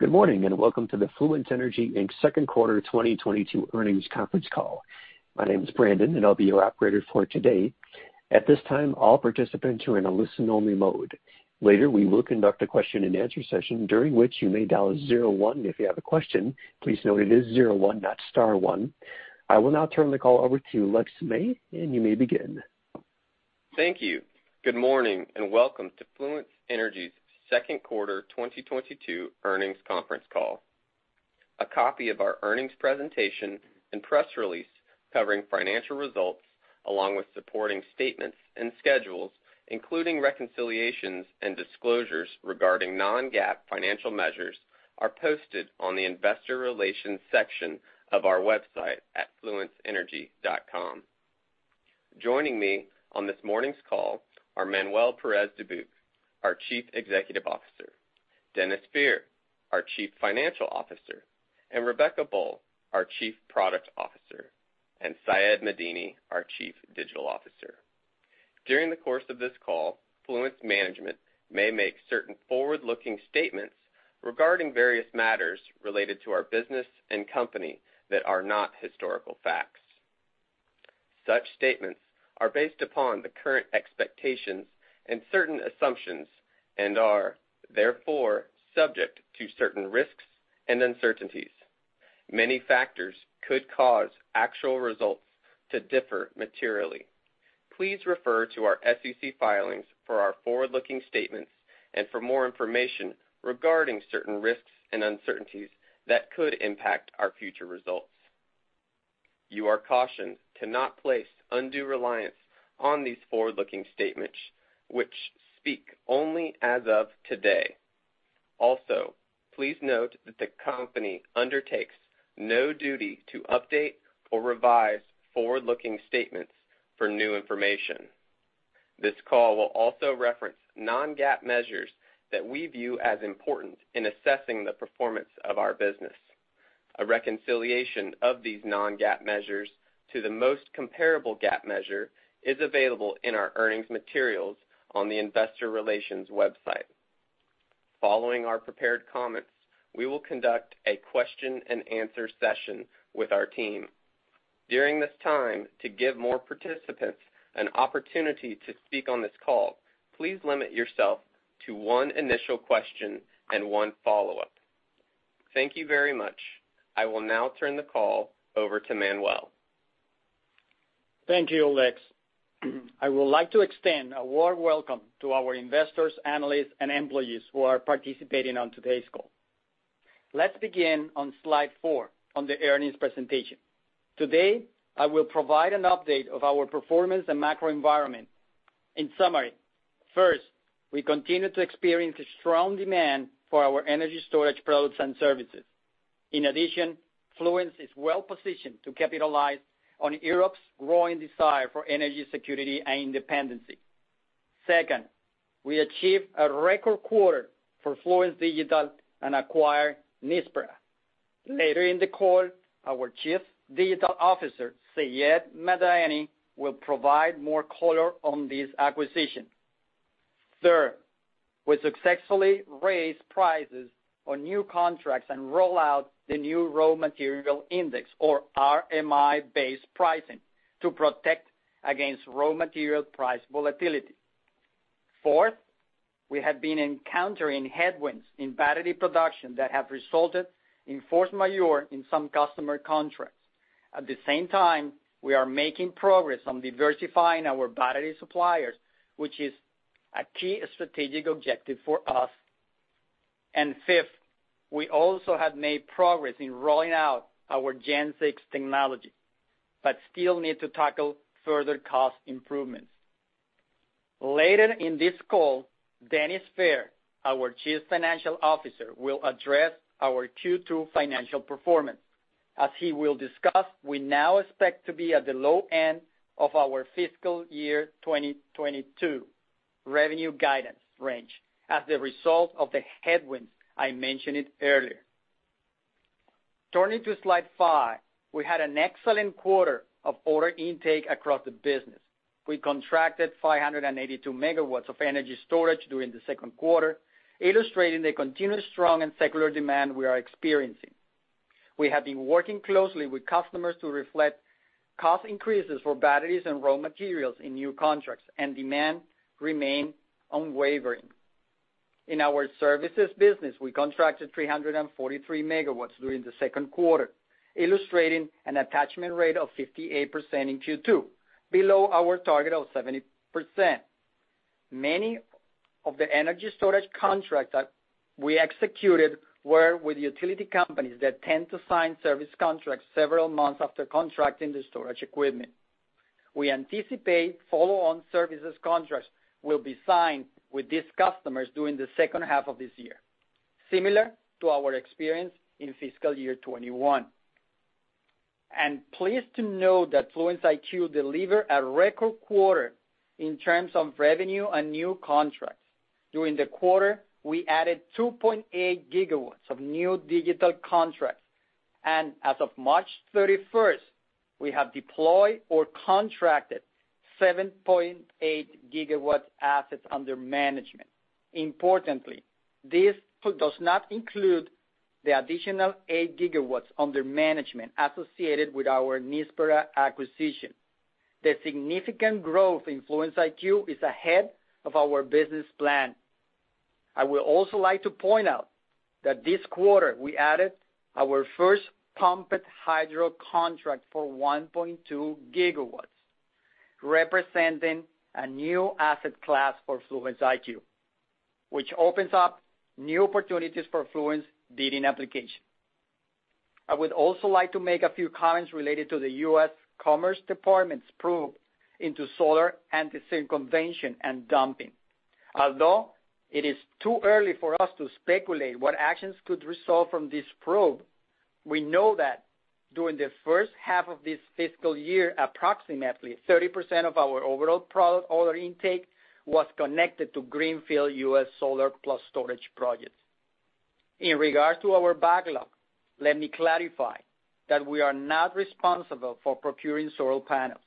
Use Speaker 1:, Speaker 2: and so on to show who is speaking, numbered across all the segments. Speaker 1: Good morning, and welcome to the Fluence Energy Inc.'s Second Quarter 2022 Earnings Conference Call. My name is Brandon, and I'll be your operator for today. At this time, all participants are in a listen-only mode. Later, we will conduct a question-and-answer session, during which you may dial zero one if you have a question. Please note it is zero one, not star one. I will now turn the call over to Lex May, and you may begin.
Speaker 2: Thank you. Good morning, and welcome to Fluence Energy's second quarter 2022 earnings conference call. A copy of our earnings presentation and press release covering financial results, along with supporting statements and schedules, including reconciliations and disclosures regarding non-GAAP financial measures, are posted on the investor relations section of our website at fluenceenergy.com. Joining me on this morning's call are Manuel Pérez Dubuc, our Chief Executive Officer, Dennis Fehr, our Chief Financial Officer, Rebecca Boll, our Chief Product Officer, and Seyed Madaeni, our Chief Digital Officer. During the course of this call, Fluence management may make certain forward-looking statements regarding various matters related to our business and company that are not historical facts. Such statements are based upon the current expectations and certain assumptions and are, therefore, subject to certain risks and uncertainties. Many factors could cause actual results to differ materially. Please refer to our SEC filings for our forward-looking statements and for more information regarding certain risks and uncertainties that could impact our future results. You are cautioned to not place undue reliance on these forward-looking statements, which speak only as of today. Also, please note that the company undertakes no duty to update or revise forward-looking statements for new information. This call will also reference non-GAAP measures that we view as important in assessing the performance of our business. A reconciliation of these non-GAAP measures to the most comparable GAAP measure is available in our earnings materials on the investor relations website. Following our prepared comments, we will conduct a question-and-answer session with our team. During this time, to give more participants an opportunity to speak on this call, please limit yourself to one initial question and one follow-up. Thank you very much. I will now turn the call over to Manuel.
Speaker 3: Thank you, Lex. I would like to extend a warm welcome to our investors, analysts, and employees who are participating on today's call. Let's begin on slide four on the earnings presentation. Today, I will provide an update of our performance and macro environment. In summary, first, we continue to experience a strong demand for our energy storage products and services. In addition, Fluence is well-positioned to capitalize on Europe's growing desire for energy security and independence. Second, we achieved a record quarter for Fluence Digital and acquired Nispera. Later in the call, our Chief Digital Officer, Seyed Madaeni, will provide more color on this acquisition. Third, we successfully raised prices on new contracts and rolled out the new raw material index or RMI-based pricing to protect against raw material price volatility. Fourth, we have been encountering headwinds in battery production that have resulted in force majeure in some customer contracts. At the same time, we are making progress on diversifying our battery suppliers, which is a key strategic objective for us. Fifth, we also have made progress in rolling out our Gen6 technology, but still need to tackle further cost improvements. Later in this call, Dennis Fehr, our Chief Financial Officer, will address our Q2 financial performance. As he will discuss, we now expect to be at the low end of our fiscal year 2022 revenue guidance range as the result of the headwinds I mentioned earlier. Turning to slide five. We had an excellent quarter of order intake across the business. We contracted 582 MW of energy storage during the second quarter, illustrating the continuous strong and secular demand we are experiencing. We have been working closely with customers to reflect cost increases for batteries and raw materials in new contracts, and demand remain unwavering. In our services business, we contracted 343 MW during the second quarter, illustrating an attachment rate of 58% in Q2, below our target of 70%. Many of the energy storage contracts that we executed were with utility companies that tend to sign service contracts several months after contracting the storage equipment. We anticipate follow-on services contracts will be signed with these customers during the second half of this year, similar to our experience in fiscal year 2021. Pleased to note that Fluence IQ delivered a record quarter in terms of revenue and new contracts. During the quarter, we added 2.8 GW of new digital contracts. As of March 31st, we have deployed or contracted 7.8 GW assets under management. Importantly, this does not include the additional 8 GW under management associated with our Nispera acquisition. The significant growth in Fluence IQ is ahead of our business plan. I would also like to point out that this quarter we added our first pumped hydro contract for 1.2 GW, representing a new asset class for Fluence IQ, which opens up new opportunities for Fluence Bidding Application. I would also like to make a few comments related to the U.S. Commerce Department's probe into solar anti-circumvention and dumping. Although it is too early for us to speculate what actions could result from this probe, we know that during the first half of this fiscal year, approximately 30% of our overall product order intake was connected to greenfield U.S. solar plus storage projects. In regards to our backlog, let me clarify that we are not responsible for procuring solar panels.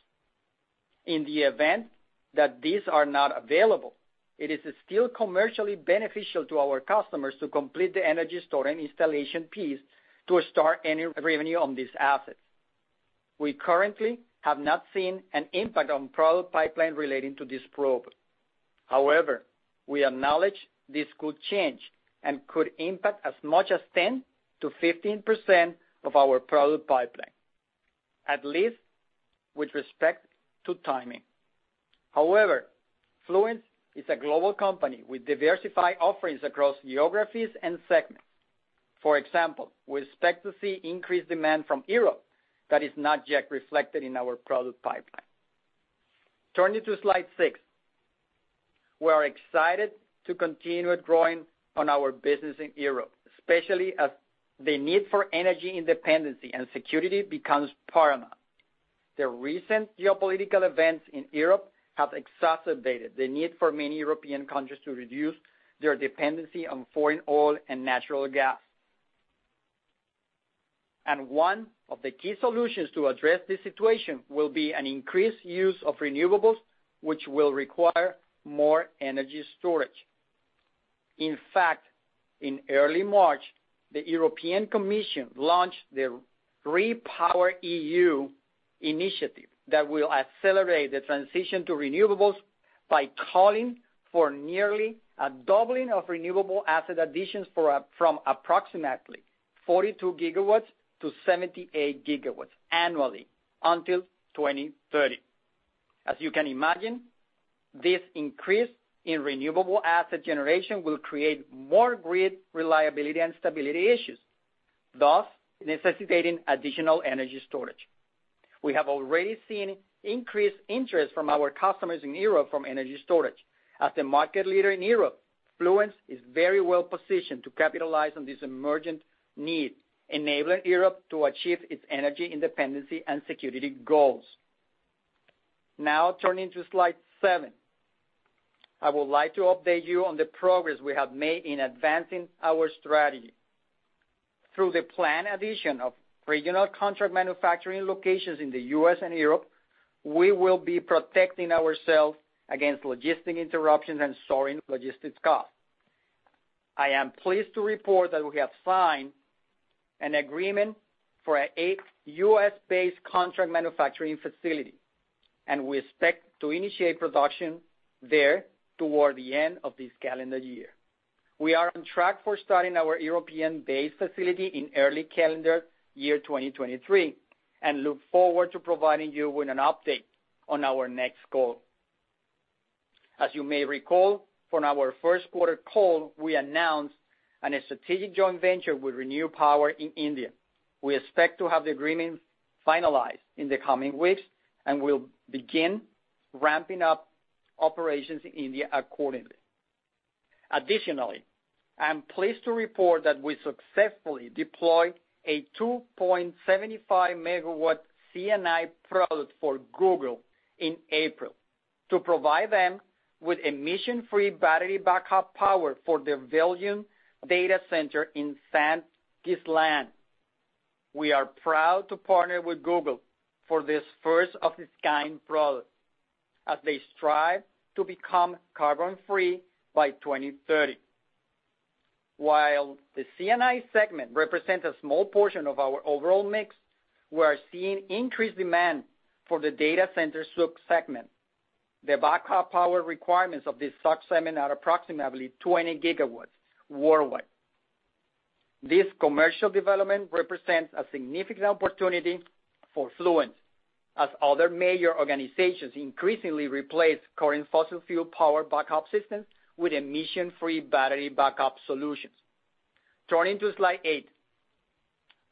Speaker 3: In the event that these are not available, it is still commercially beneficial to our customers to complete the energy storage and installation piece to start any revenue on these assets. We currently have not seen an impact on product pipeline relating to this probe. However, we acknowledge this could change and could impact as much as 10%-15% of our product pipeline, at least with respect to timing. However, Fluence is a global company with diversified offerings across geographies and segments. For example, we expect to see increased demand from Europe that is not yet reflected in our product pipeline. Turning to slide six. We are excited to continue growing our business in Europe, especially as the need for energy independence and security becomes paramount. The recent geopolitical events in Europe have exacerbated the need for many European countries to reduce their dependency on foreign oil and natural gas. One of the key solutions to address this situation will be an increased use of renewables, which will require more energy storage. In fact, in early March, the European Commission launched the REPowerEU initiative that will accelerate the transition to renewables by calling for nearly a doubling of renewable asset additions, from approximately 42 GW to 78 GW annually until 2030. As you can imagine, this increase in renewable asset generation will create more grid reliability and stability issues, thus necessitating additional energy storage. We have already seen increased interest from our customers in Europe from energy storage. As the market leader in Europe, Fluence is very well positioned to capitalize on this emergent need, enabling Europe to achieve its energy independency and security goals. Now turning to slide seven. I would like to update you on the progress we have made in advancing our strategy. Through the planned addition of regional contract manufacturing locations in the U.S. and Europe, we will be protecting ourselves against logistic interruptions and soaring logistics costs. I am pleased to report that we have signed an agreement for an eighth U.S.-based contract manufacturing facility, and we expect to initiate production there toward the end of this calendar year. We are on track for starting our European-based facility in early calendar year 2023, and look forward to providing you with an update on our next call. As you may recall, from our first quarter call, we announced a strategic joint venture with ReNew Power in India. We expect to have the agreement finalized in the coming weeks, and we'll begin ramping up operations in India accordingly. Additionally, I am pleased to report that we successfully deployed a 2.75 MW C&I product for Google in April to provide them with emission-free battery backup power for their Belgium data center in Saint Ghislain. We are proud to partner with Google for this first-of-its-kind product as they strive to become carbon-free by 2030. While the C&I segment represents a small portion of our overall mix, we are seeing increased demand for the data center sub-segment. The backup power requirements of this sub-segment are approximately 20 GW worldwide. This commercial development represents a significant opportunity for Fluence as other major organizations increasingly replace current fossil fuel power backup systems with emission-free battery backup solutions. Turning to slide eight.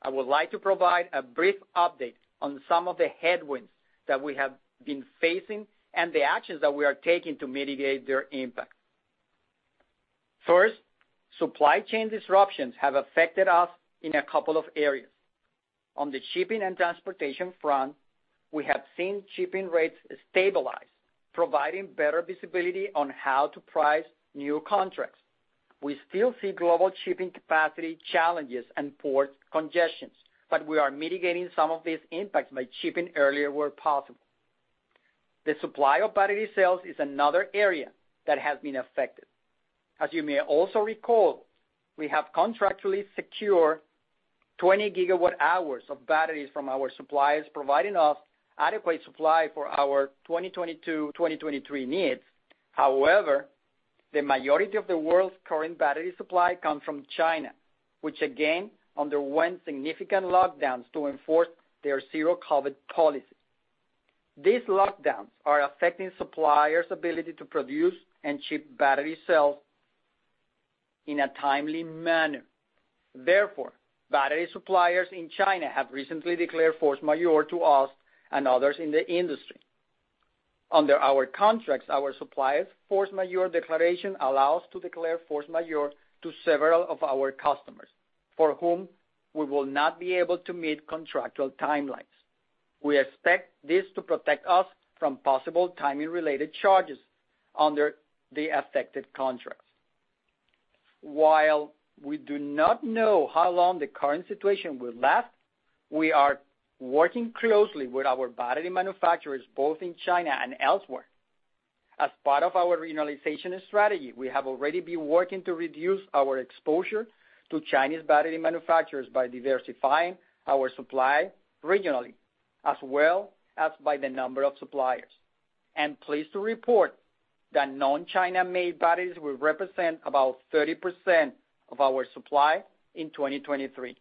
Speaker 3: I would like to provide a brief update on some of the headwinds that we have been facing and the actions that we are taking to mitigate their impact. First, supply chain disruptions have affected us in a couple of areas. On the shipping and transportation front. We have seen shipping rates stabilize, providing better visibility on how to price new contracts. We still see global shipping capacity challenges and port congestions, but we are mitigating some of these impacts by shipping earlier where possible. The supply of battery cells is another area that has been affected. As you may also recall, we have contractually secure 20 GWh of batteries from our suppliers, providing us adequate supply for our 2022/2023 needs. However, the majority of the world's current battery supply comes from China, which again underwent significant lockdowns to enforce their zero-COVID policy. These lockdowns are affecting suppliers' ability to produce and ship battery cells in a timely manner. Therefore, battery suppliers in China have recently declared force majeure to us and others in the industry. Under our contracts, our suppliers' force majeure declaration allow us to declare force majeure to several of our customers for whom we will not be able to meet contractual timelines. We expect this to protect us from possible timing-related charges under the affected contracts. While we do not know how long the current situation will last, we are working closely with our battery manufacturers, both in China and elsewhere. As part of our regionalization strategy, we have already been working to reduce our exposure to Chinese battery manufacturers by diversifying our supply regionally, as well as by the number of suppliers. I'm pleased to report that non-China-made batteries will represent about 30% of our supply in 2023,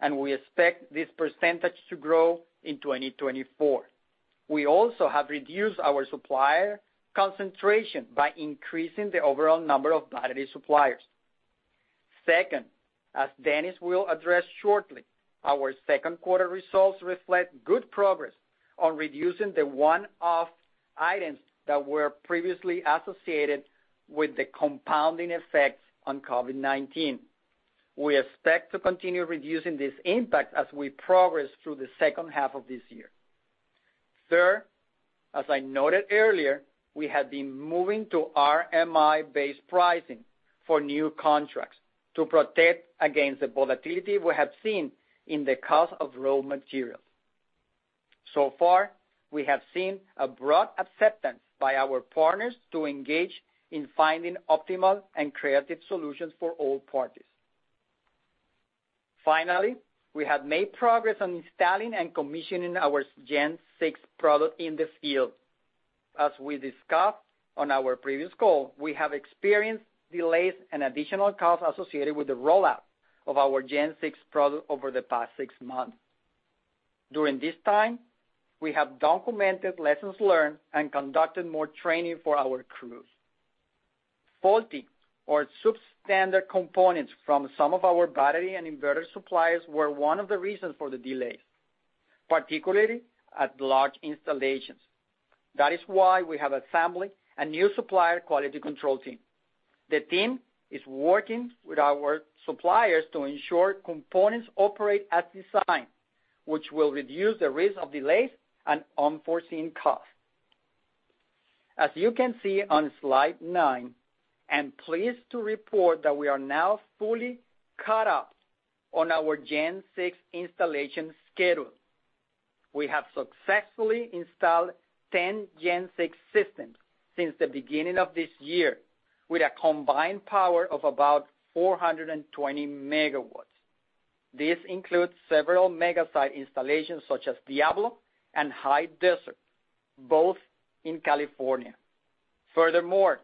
Speaker 3: and we expect this percentage to grow in 2024. We also have reduced our supplier concentration by increasing the overall number of battery suppliers. Second, as Dennis will address shortly, our second quarter results reflect good progress on reducing the one-off items that were previously associated with the compounding effects on COVID-19. We expect to continue reducing this impact as we progress through the second half of this year. Third, as I noted earlier, we have been moving to RMI-based pricing for new contracts to protect against the volatility we have seen in the cost of raw materials. So far, we have seen a broad acceptance by our partners to engage in finding optimal and creative solutions for all parties. Finally, we have made progress on installing and commissioning our Gen6 product in the field. As we discussed on our previous call, we have experienced delays and additional costs associated with the rollout of our Gen6 product over the past six months. During this time, we have documented lessons learned and conducted more training for our crews. Faulty or substandard components from some of our battery and inverter suppliers were one of the reasons for the delays, particularly at large installations. That is why we have assembled a new supplier quality control team. The team is working with our suppliers to ensure components operate as designed, which will reduce the risk of delays and unforeseen costs. As you can see on slide 9, I'm pleased to report that we are now fully caught up on our Gen6 installation schedule. We have successfully installed 10 Gen6 systems since the beginning of this year, with a combined power of about 420 MW. This includes several mega site installations such as Diablo and High Desert, both in California. Furthermore,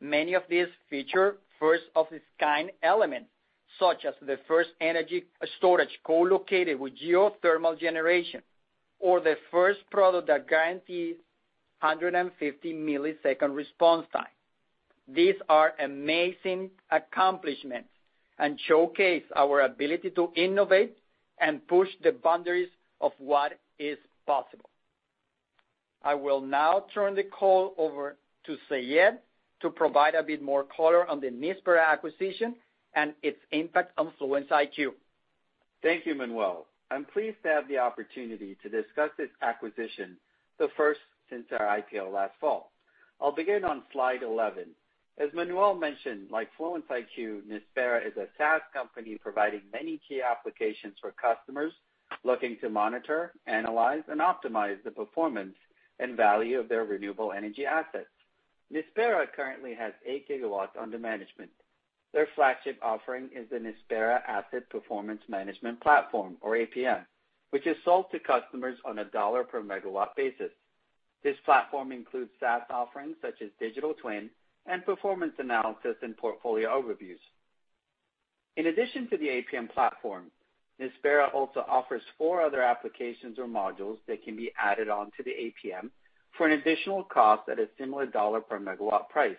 Speaker 3: many of these feature first-of-its-kind elements, such as the first energy storage co-located with geothermal generation, or the first product that guarantees 150-millisecond response time. These are amazing accomplishments and showcase our ability to innovate and push the boundaries of what is possible. I will now turn the call over to Seyed to provide a bit more color on the Nispera acquisition and its impact on Fluence IQ.
Speaker 4: Thank you, Manuel. I'm pleased to have the opportunity to discuss this acquisition, the first since our IPO last fall. I'll begin on slide 11. As Manuel mentioned, like Fluence IQ, Nispera is a SaaS company providing many key applications for customers looking to monitor, analyze, and optimize the performance and value of their renewable energy assets. Nispera currently has 8 GW under management. Their flagship offering is the Nispera Asset Performance Management platform, or APM, which is sold to customers on a dollar per megawatt basis. This platform includes SaaS offerings such as digital twin and performance analysis and portfolio overviews. In addition to the APM platform, Nispera also offers four other applications or modules that can be added on to the APM for an additional cost at a similar dollar per megawatt price.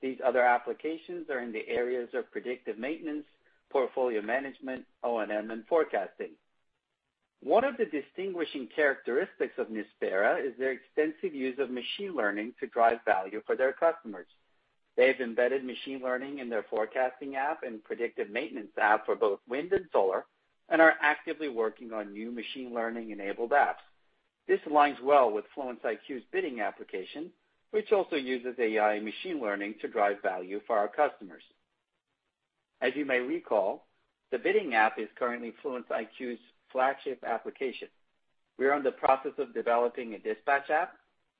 Speaker 4: These other applications are in the areas of predictive maintenance, portfolio management, O&M, and forecasting. One of the distinguishing characteristics of Nispera is their extensive use of machine learning to drive value for their customers. They have embedded machine learning in their forecasting app and predictive maintenance app for both wind and solar, and are actively working on new machine learning-enabled apps. This aligns well with Fluence IQ's Bidding Application, which also uses AI and machine learning to drive value for our customers. As you may recall, the Bidding Application is currently Fluence IQ's flagship application. We are in the process of developing a dispatch app,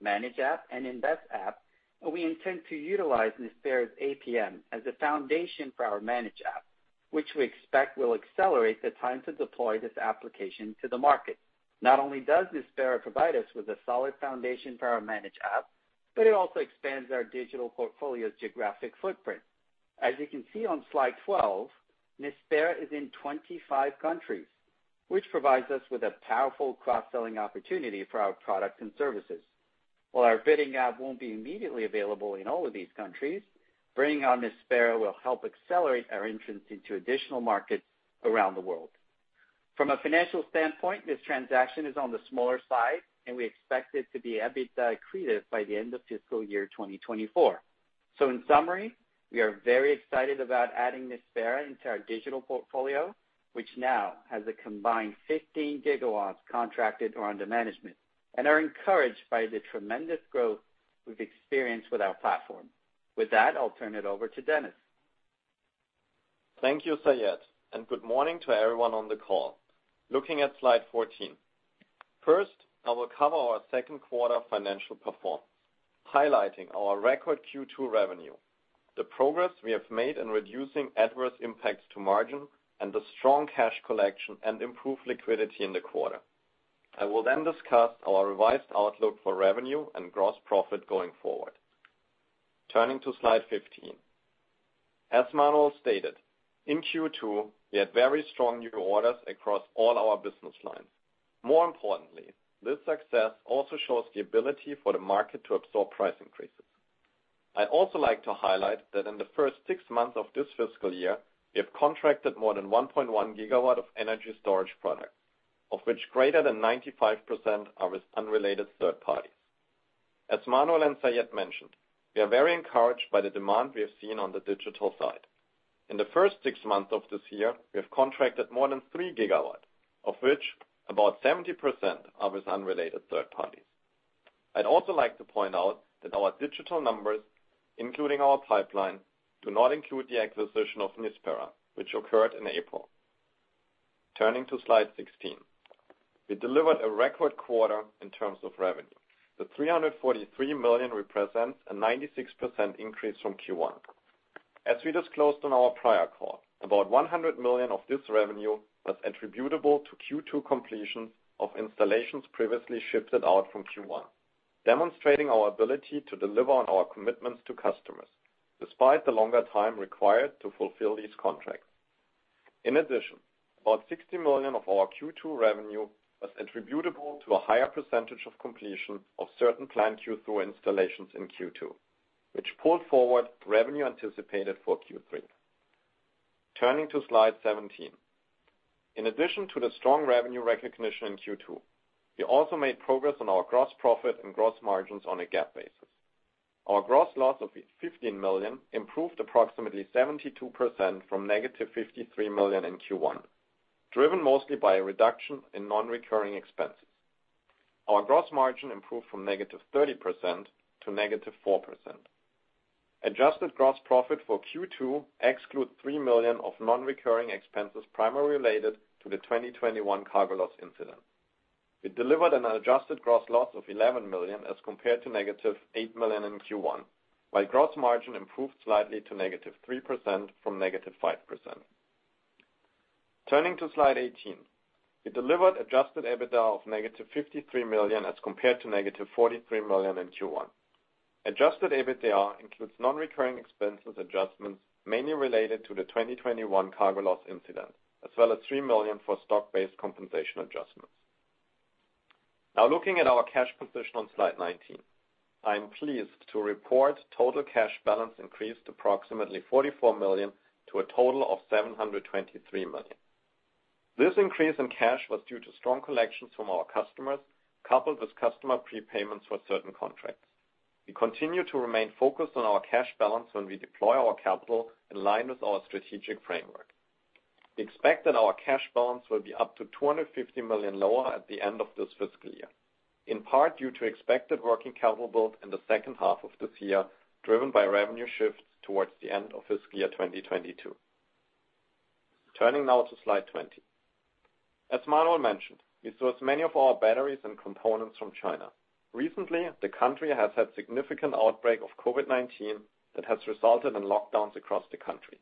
Speaker 4: manage app, and invest app, and we intend to utilize Nispera's APM as a foundation for our manage app, which we expect will accelerate the time to deploy this application to the market. Not only does Nispera provide us with a solid foundation for our manage app, but it also expands our digital portfolio's geographic footprint. As you can see on slide 12, Nispera is in 25 countries, which provides us with a powerful cross-selling opportunity for our products and services. While our Bidding Application won't be immediately available in all of these countries, bringing on Nispera will help accelerate our entrance into additional markets around the world. From a financial standpoint, this transaction is on the smaller side, and we expect it to be EBITDA accretive by the end of fiscal year 2024. In summary, we are very excited about adding Nispera into our digital portfolio, which now has a combined 15 GW contracted or under management, and are encouraged by the tremendous growth we've experienced with our platform. With that, I'll turn it over to Dennis.
Speaker 5: Thank you, Seyed, and good morning to everyone on the call. Looking at slide 14. First, I will cover our second quarter financial performance, highlighting our record Q2 revenue, the progress we have made in reducing adverse impacts to margin, and the strong cash collection and improved liquidity in the quarter. I will then discuss our revised outlook for revenue and gross profit going forward. Turning to slide 15. As Manuel stated, in Q2, we had very strong new orders across all our business lines. More importantly, this success also shows the ability for the market to absorb price increases. I'd also like to highlight that in the first six months of this fiscal year, we have contracted more than 1.1 GW of energy storage products, of which greater than 95% are with unrelated third parties. As Manuel and Seyed mentioned, we are very encouraged by the demand we have seen on the digital side. In the first six months of this year, we have contracted more than 3 GW, of which about 70% are with unrelated third parties. I'd also like to point out that our digital numbers, including our pipeline, do not include the acquisition of Nispera, which occurred in April. Turning to slide 16. We delivered a record quarter in terms of revenue. The $343 million represents a 96% increase from Q1. As we disclosed on our prior call, about $100 million of this revenue was attributable to Q2 completion of installations previously shipped out from Q1, demonstrating our ability to deliver on our commitments to customers, despite the longer time required to fulfill these contracts. In addition, about $60 million of our Q2 revenue was attributable to a higher percentage of completion of certain planned Q4 installations in Q2, which pulled forward revenue anticipated for Q3. Turning to slide 17. In addition to the strong revenue recognition in Q2, we also made progress on our gross profit and gross margins on a GAAP basis. Our gross loss of $15 million improved approximately 72% from -$53 million in Q1, driven mostly by a reduction in non-recurring expenses. Our gross margin improved from -30% to -4%. Adjusted gross profit for Q2 exclude $3 million of non-recurring expenses primarily related to the 2021 cargo loss incident. We delivered an adjusted gross loss of $11 million as compared to -$8 million in Q1, while gross margin improved slightly to -3% from -5%. Turning to slide 18. We delivered adjusted EBITDA of -$53 million as compared to -$43 million in Q1. Adjusted EBITDA includes non-recurring expenses adjustments mainly related to the 2021 cargo loss incident, as well as $3 million for stock-based compensation adjustments. Now looking at our cash position on slide 19. I am pleased to report total cash balance increased approximately $44 million to a total of $723 million. This increase in cash was due to strong collections from our customers, coupled with customer prepayments for certain contracts. We continue to remain focused on our cash balance when we deploy our capital in line with our strategic framework. We expect that our cash balance will be up to $250 million lower at the end of this fiscal year, in part due to expected working capital build in the second half of this year, driven by revenue shifts towards the end of fiscal year 2022. Turning now to slide 20. As Manuel mentioned, we source many of our batteries and components from China. Recently, the country has had significant outbreak of COVID-19 that has resulted in lockdowns across the country.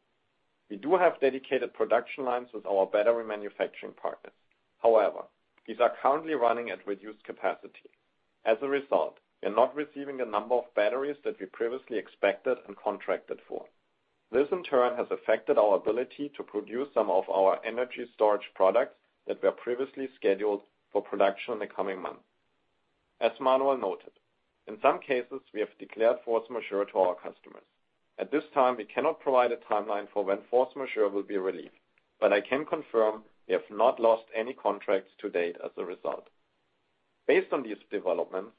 Speaker 5: We do have dedicated production lines with our battery manufacturing partners. However, these are currently running at reduced capacity. As a result, we are not receiving the number of batteries that we previously expected and contracted for. This, in turn, has affected our ability to produce some of our energy storage products that were previously scheduled for production in the coming months. As Manuel noted, in some cases, we have declared force majeure to our customers. At this time, we cannot provide a timeline for when force majeure will be relieved, but I can confirm we have not lost any contracts to date as a result. Based on these developments,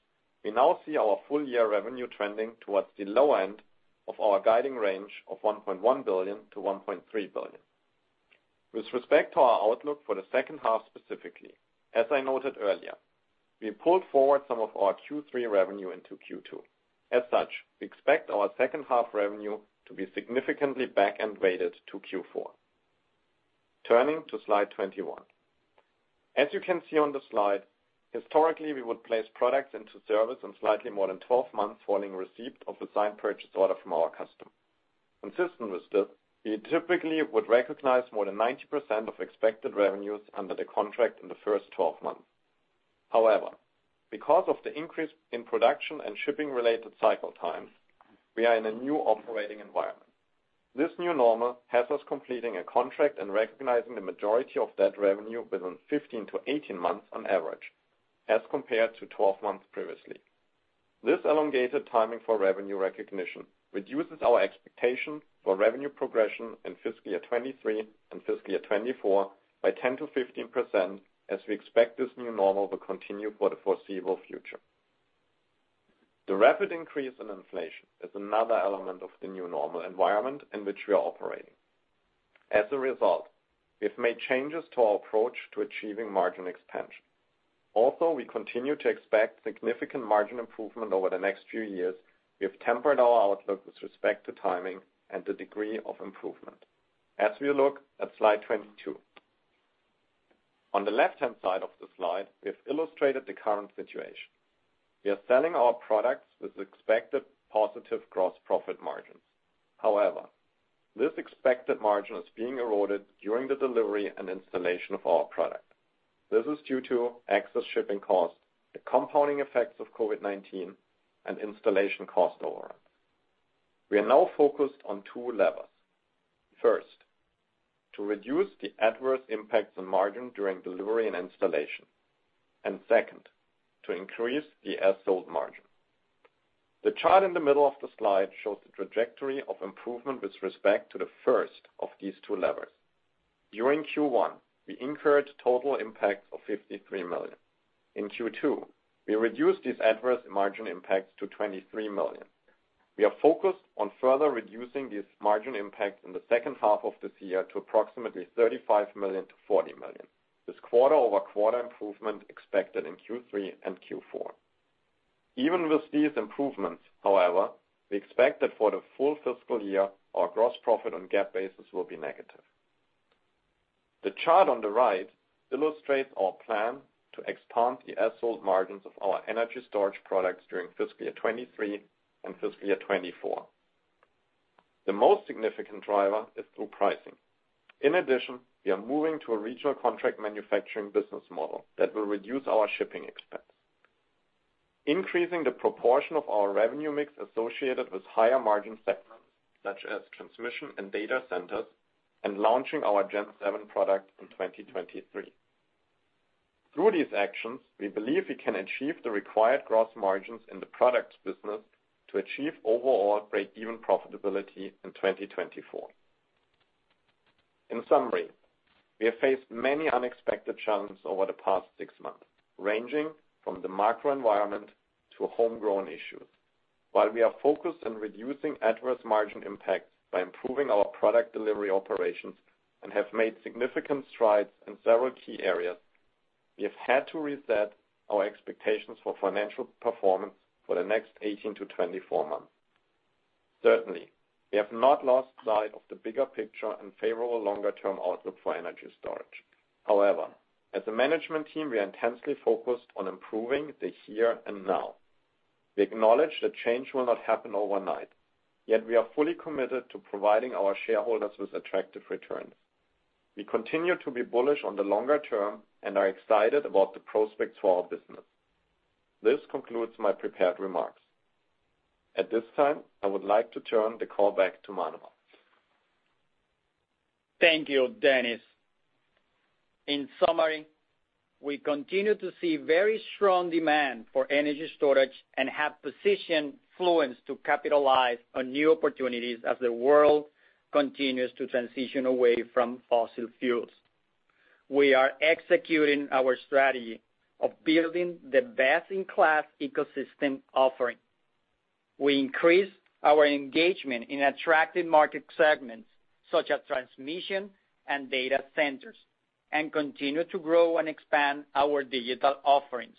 Speaker 5: we now see our full year revenue trending towards the lower end of our guiding range of $1.1 billion-$1.3 billion. With respect to our outlook for the second half specifically, as I noted earlier, we pulled forward some of our Q3 revenue into Q2. As such, we expect our second half revenue to be significantly back-end weighted to Q4. Turning to slide 21. As you can see on the slide, historically, we would place products into service in slightly more than 12 months following receipt of the signed purchase order from our customer. Consistent with this, we typically would recognize more than 90% of expected revenues under the contract in the first 12 months. However, because of the increase in production and shipping related cycle times, we are in a new operating environment. This new normal has us completing a contract and recognizing the majority of that revenue within 15-18 months on average, as compared to 12 months previously. This elongated timing for revenue recognition reduces our expectation for revenue progression in fiscal year 2023 and fiscal year 2024 by 10%-15% as we expect this new normal will continue for the foreseeable future. The rapid increase in inflation is another element of the new normal environment in which we are operating. As a result, we've made changes to our approach to achieving margin expansion. Also, we continue to expect significant margin improvement over the next few years. We have tempered our outlook with respect to timing and the degree of improvement. As we look at slide 22. On the left-hand side of the slide, we have illustrated the current situation. We are selling our products with expected positive gross profit margins. However, this expected margin is being eroded during the delivery and installation of our product. This is due to excess shipping costs, the compounding effects of COVID-19, and installation cost overruns. We are now focused on two levers. First, to reduce the adverse impacts on margin during delivery and installation. Second, to increase the as-sold margin. The chart in the middle of the slide shows the trajectory of improvement with respect to the first of these two levers. During Q1, we incurred total impacts of $53 million. In Q2, we reduced these adverse margin impacts to $23 million. We are focused on further reducing this margin impact in the second half of this year to approximately $35 million-$40 million, with quarter-over-quarter improvement expected in Q3 and Q4. Even with these improvements, however, we expect that for the full fiscal year, our gross profit on GAAP basis will be negative. The chart on the right illustrates our plan to expand the as-sold margins of our energy storage products during fiscal year 2023 and fiscal year 2024. The most significant driver is through pricing. In addition, we are moving to a regional contract manufacturing business model that will reduce our shipping expense. Increasing the proportion of our revenue mix associated with higher margin segments such as transmission and data centers, and launching our Gen7 product in 2023. Through these actions, we believe we can achieve the required gross margins in the products business to achieve overall break-even profitability in 2024. In summary, we have faced many unexpected challenges over the past 6 months, ranging from the macro environment to homegrown issues. While we are focused on reducing adverse margin impacts by improving our product delivery operations and have made significant strides in several key areas, we have had to reset our expectations for financial performance for the next 18-24 months. Certainly, we have not lost sight of the bigger picture and favorable longer-term outlook for energy storage. However, as a management team, we are intensely focused on improving the here and now. We acknowledge that change will not happen overnight, yet we are fully committed to providing our shareholders with attractive returns. We continue to be bullish on the longer term and are excited about the prospects for our business. This concludes my prepared remarks. At this time, I would like to turn the call back to Manuel.
Speaker 3: Thank you, Dennis. In summary, we continue to see very strong demand for energy storage and have positioned Fluence to capitalize on new opportunities as the world continues to transition away from fossil fuels. We are executing our strategy of building the best-in-class ecosystem offering. We increased our engagement in attractive market segments such as transmission and data centers, and continue to grow and expand our digital offerings.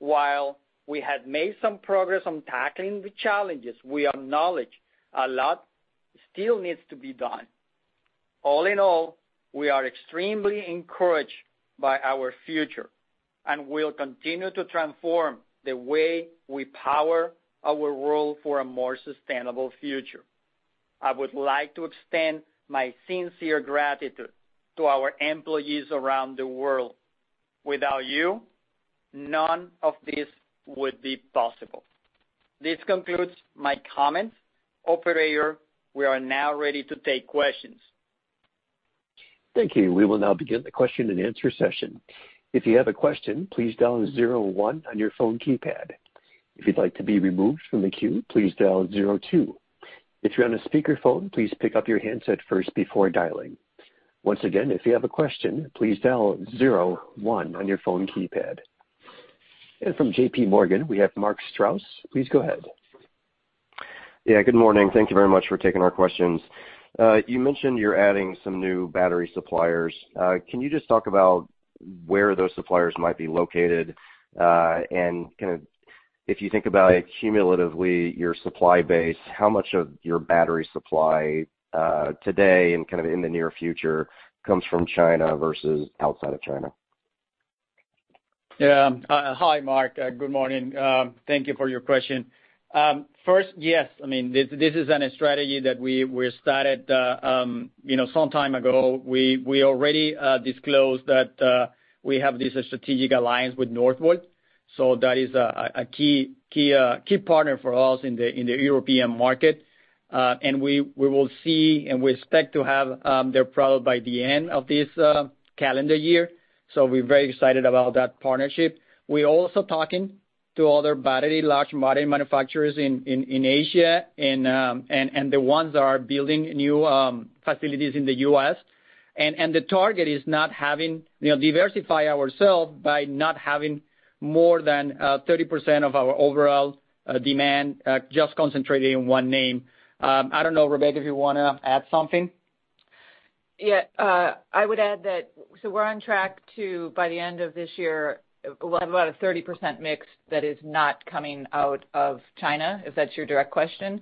Speaker 3: While we have made some progress on tackling the challenges, we acknowledge a lot still needs to be done. All in all, we are extremely encouraged by our future, and we'll continue to transform the way we power our world for a more sustainable future. I would like to extend my sincere gratitude to our employees around the world. Without you, none of this would be possible. This concludes my comments. Operator, we are now ready to take questions.
Speaker 1: Thank you. We will now begin the question-and-answer session. If you have a question, please dial zero one on your phone keypad. If you'd like to be removed from the queue, please dial zero two. If you're on a speakerphone, please pick up your handset first before dialing. Once again, if you have a question, please dial zero one on your phone keypad. From JPMorgan, we have Mark Strouse. Please go ahead.
Speaker 6: Yeah, good morning. Thank you very much for taking our questions. You mentioned you're adding some new battery suppliers. Can you just talk about where those suppliers might be located? Kind of if you think about it cumulatively, your supply base, how much of your battery supply, today and kind of in the near future comes from China versus outside of China?
Speaker 3: Yeah. Hi, Mark. Good morning. Thank you for your question. First, yes, I mean, this is a strategy that we started, you know, some time ago. We already disclosed that we have this strategic alliance with Northvolt, so that is a key partner for us in the European market. We will see, and we expect to have their product by the end of this calendar year. We're very excited about that partnership. We're also talking to other large modern battery manufacturers in Asia and the ones that are building new facilities in the U.S. The target is not having, you know, diversify ourselves by not having more than 30% of our overall demand just concentrated in one name. I don't know, Rebecca, if you wanna add something.
Speaker 7: Yeah. I would add that so we're on track to, by the end of this year, we'll have about a 30% mix that is not coming out of China, if that's your direct question.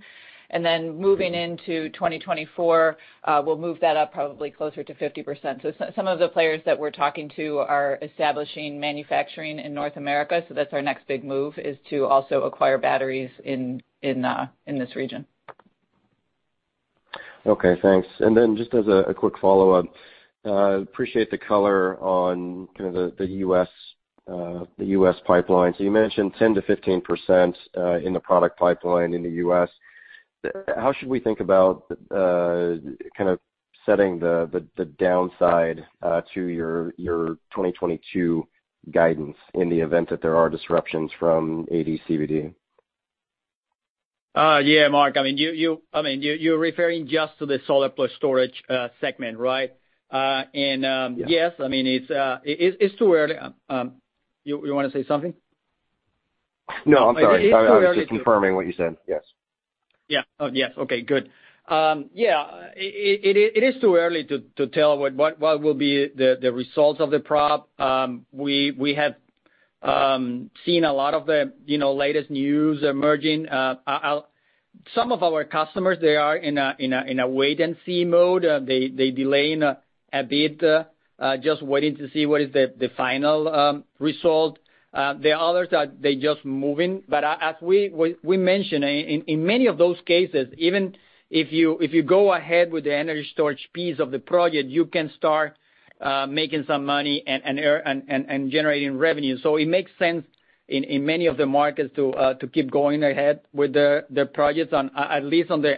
Speaker 7: Moving into 2024, we'll move that up probably closer to 50%. Some of the players that we're talking to are establishing manufacturing in North America, so that's our next big move, is to also acquire batteries in this region.
Speaker 6: Okay, thanks. Just as a quick follow-up, appreciate the color on kind of the U.S. pipeline. You mentioned 10%-15% in the product pipeline in the U.S. How should we think about kind of setting the downside to your 2022 guidance in the event that there are disruptions from AD/CVD?
Speaker 3: Yeah, Mark. I mean, you're referring just to the solar plus storage segment, right? Yes, I mean, it's too early. You wanna say something?
Speaker 6: No, I'm sorry.
Speaker 3: It's too early to-
Speaker 6: I was just confirming what you said, yes.
Speaker 3: Yeah. Yes. Okay, good. Yeah, it is too early to tell what will be the results of the probe. We have seen a lot of the, you know, latest news emerging. Some of our customers, they are in a wait-and-see mode. They are delaying a bit, just waiting to see what is the final result. The others are, they're just moving. As we mentioned, in many of those cases, even if you go ahead with the energy storage piece of the project, you can start making some money and generating revenue. It makes sense in many of the markets to keep going ahead with the projects on... At least on the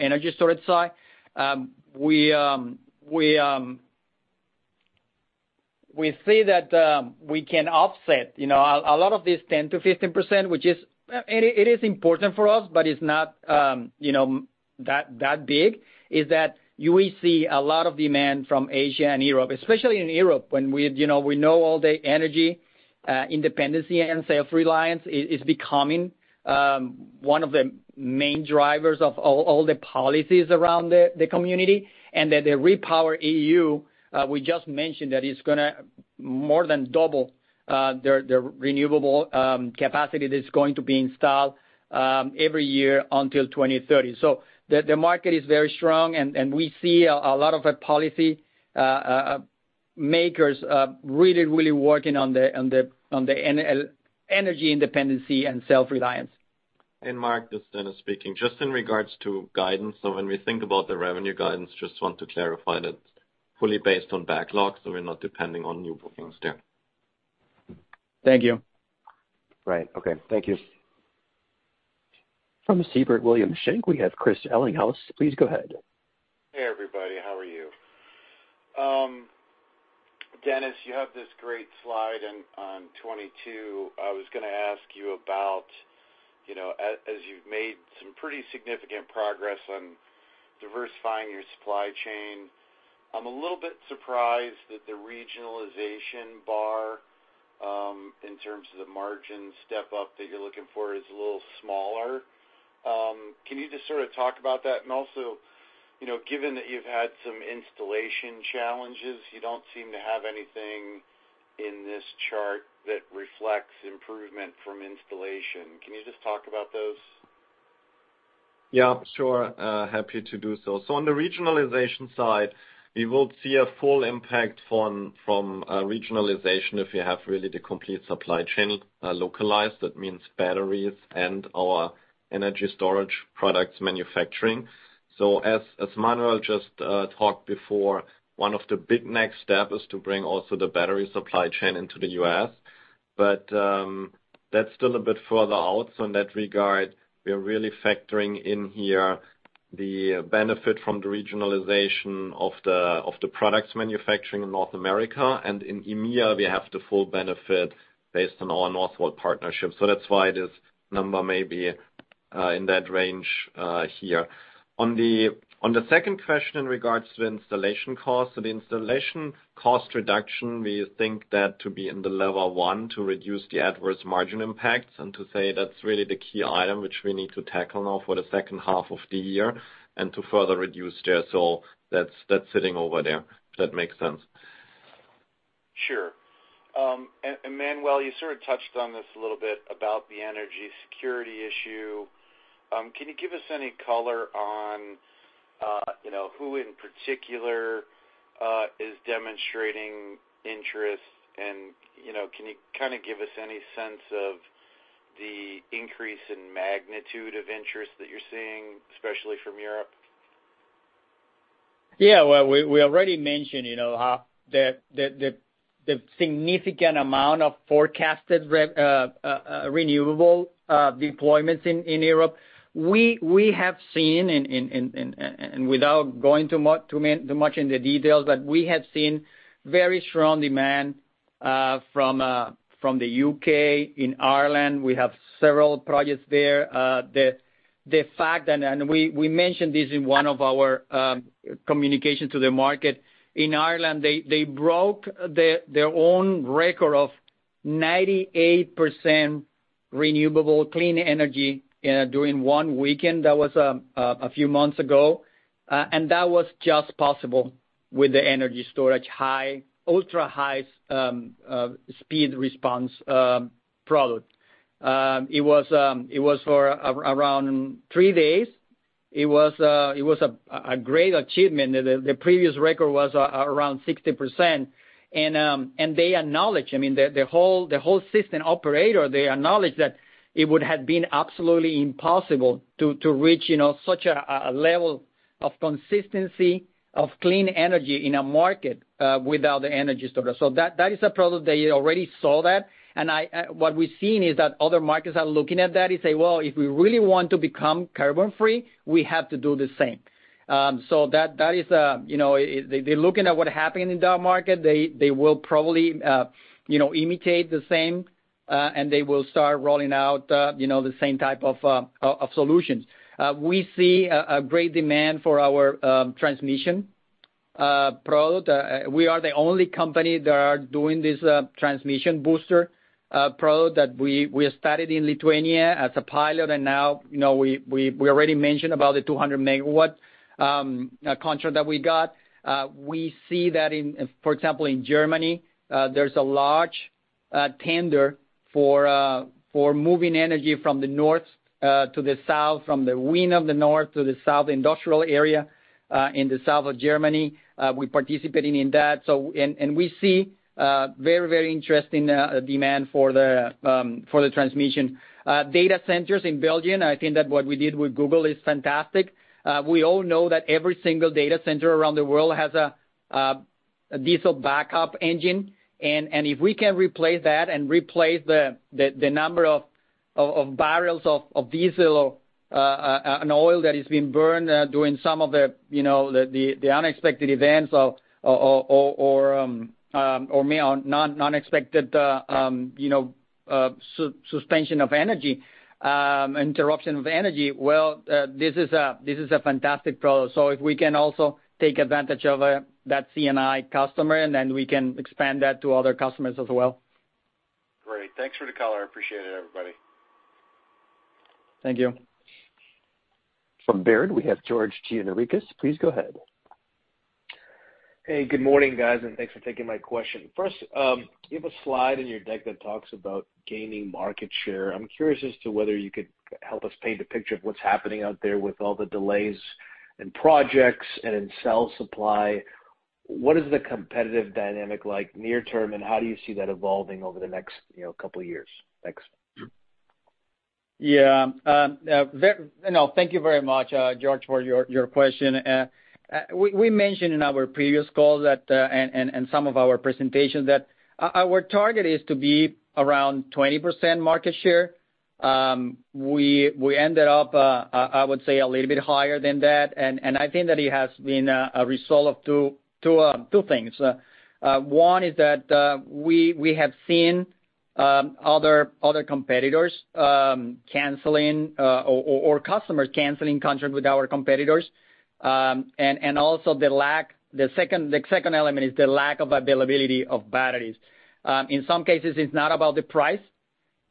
Speaker 3: energy storage side. We see that we can offset, you know, a lot of this 10%-15%, which is important for us, but it's not that big in that we see a lot of demand from Asia and Europe, especially in Europe, when we know all the energy independence and self-reliance is becoming one of the main drivers of all the policies around the community. That the REPowerEU, we just mentioned that it's gonna more than double their renewable capacity that's going to be installed every year until 2030. The market is very strong and we see a lot of policy makers really working on the energy independence and self-reliance.
Speaker 5: Mark, this is Dennis speaking. Just in regards to guidance. When we think about the revenue guidance, just want to clarify that it's fully based on backlogs, so we're not depending on new bookings there.
Speaker 6: Thank you.
Speaker 3: Right. Okay. Thank you.
Speaker 1: From Siebert Williams Shank, we have Chris Ellinghaus. Please go ahead.
Speaker 8: Hey, everybody. How are you? Dennis, you have this great slide on 2022. I was gonna ask you about, you know, as you've made some pretty significant progress on diversifying your supply chain, I'm a little bit surprised that the regionalization bar in terms of the margin step up that you're looking for is a little smaller. Can you just sort of talk about that? Also, you know, given that you've had some installation challenges, you don't seem to have anything in this chart that reflects improvement from installation. Can you just talk about those?
Speaker 5: Yeah, sure. Happy to do so. On the regionalization side, we will see a full impact from regionalization if we have really the complete supply chain localized. That means batteries and our energy storage products manufacturing. As Manuel just talked before, one of the big next step is to bring also the battery supply chain into the U.S. But that's still a bit further out in that regard. We are really factoring in here the benefit from the regionalization of the products manufacturing in North America. In EMEA, we have the full benefit based on our Northvolt partnership. That's why this number may be in that range here. On the second question in regards to installation costs. The installation cost reduction, we think that to be in the level one to reduce the adverse margin impacts and to say that's really the key item which we need to tackle now for the second half of the year and to further reduce there. That's sitting over there if that makes sense.
Speaker 8: Sure. Manuel, you sort of touched on this a little bit about the energy security issue. Can you give us any color on, you know, who in particular is demonstrating interest and, you know, can you kind of give us any sense of the increase in magnitude of interest that you're seeing, especially from Europe?
Speaker 3: Yeah. Well, we already mentioned, you know, how the significant amount of forecasted renewable deployments in Europe. We have seen and without going too much into details, but we have seen very strong demand from the UK. In Ireland, we have several projects there. The fact, and we mentioned this in one of our communications to the market. In Ireland they broke their own record of 98% renewable clean energy during one weekend. That was a few months ago. And that was just possible with the energy storage ultra-high speed response product. It was for around three days. It was a great achievement. The previous record was around 60%. They acknowledge, I mean, the whole system operator, they acknowledge that it would have been absolutely impossible to reach, you know, such a level of consistency of clean energy in a market without the energy storage. That is a product they already saw that. What we've seen is that other markets are looking at that and say, "Well, if we really want to become carbon free, we have to do the same." That is, you know, they're looking at what happened in that market. They will probably, you know, imitate the same and they will start rolling out, you know, the same type of solutions. We see a great demand for our transmission product. We are the only company that are doing this transmission booster product that we started in Lithuania as a pilot. Now, you know, we already mentioned about the 200 MW contract that we got. We see that in, for example, in Germany, there's a large tender for moving energy from the north to the south, from the wind of the north to the south industrial area in the south of Germany. We're participating in that. We see very interesting demand for the transmission. Data centers in Belgium, I think that what we did with Google is fantastic. We all know that every single data center around the world has a diesel backup engine. If we can replace that and replace the number of barrels of diesel fuel oil that is being burned during some of the, you know, the unexpected events or non-expected suspension of energy, interruption of energy, this is a fantastic product. If we can also take advantage of that C&I customer and then we can expand that to other customers as well.
Speaker 8: Great. Thanks for the color. I appreciate it, everybody.
Speaker 3: Thank you.
Speaker 5: From Baird, we have George Gianarikas. Please go ahead.
Speaker 9: Hey, good morning, guys, and thanks for taking my question. First, you have a slide in your deck that talks about gaining market share. I'm curious as to whether you could help us paint a picture of what's happening out there with all the delays in projects and in cell supply. What is the competitive dynamic like near term, and how do you see that evolving over the next, you know, couple years? Thanks.
Speaker 3: Thank you very much, George, for your question. We mentioned in our previous call that and some of our presentations that our target is to be around 20% market share. We ended up, I would say a little bit higher than that. I think that it has been a result of two things. One is that we have seen other competitors canceling or customers canceling contracts with our competitors. Also, the second element is the lack of availability of batteries. In some cases it's not about the price.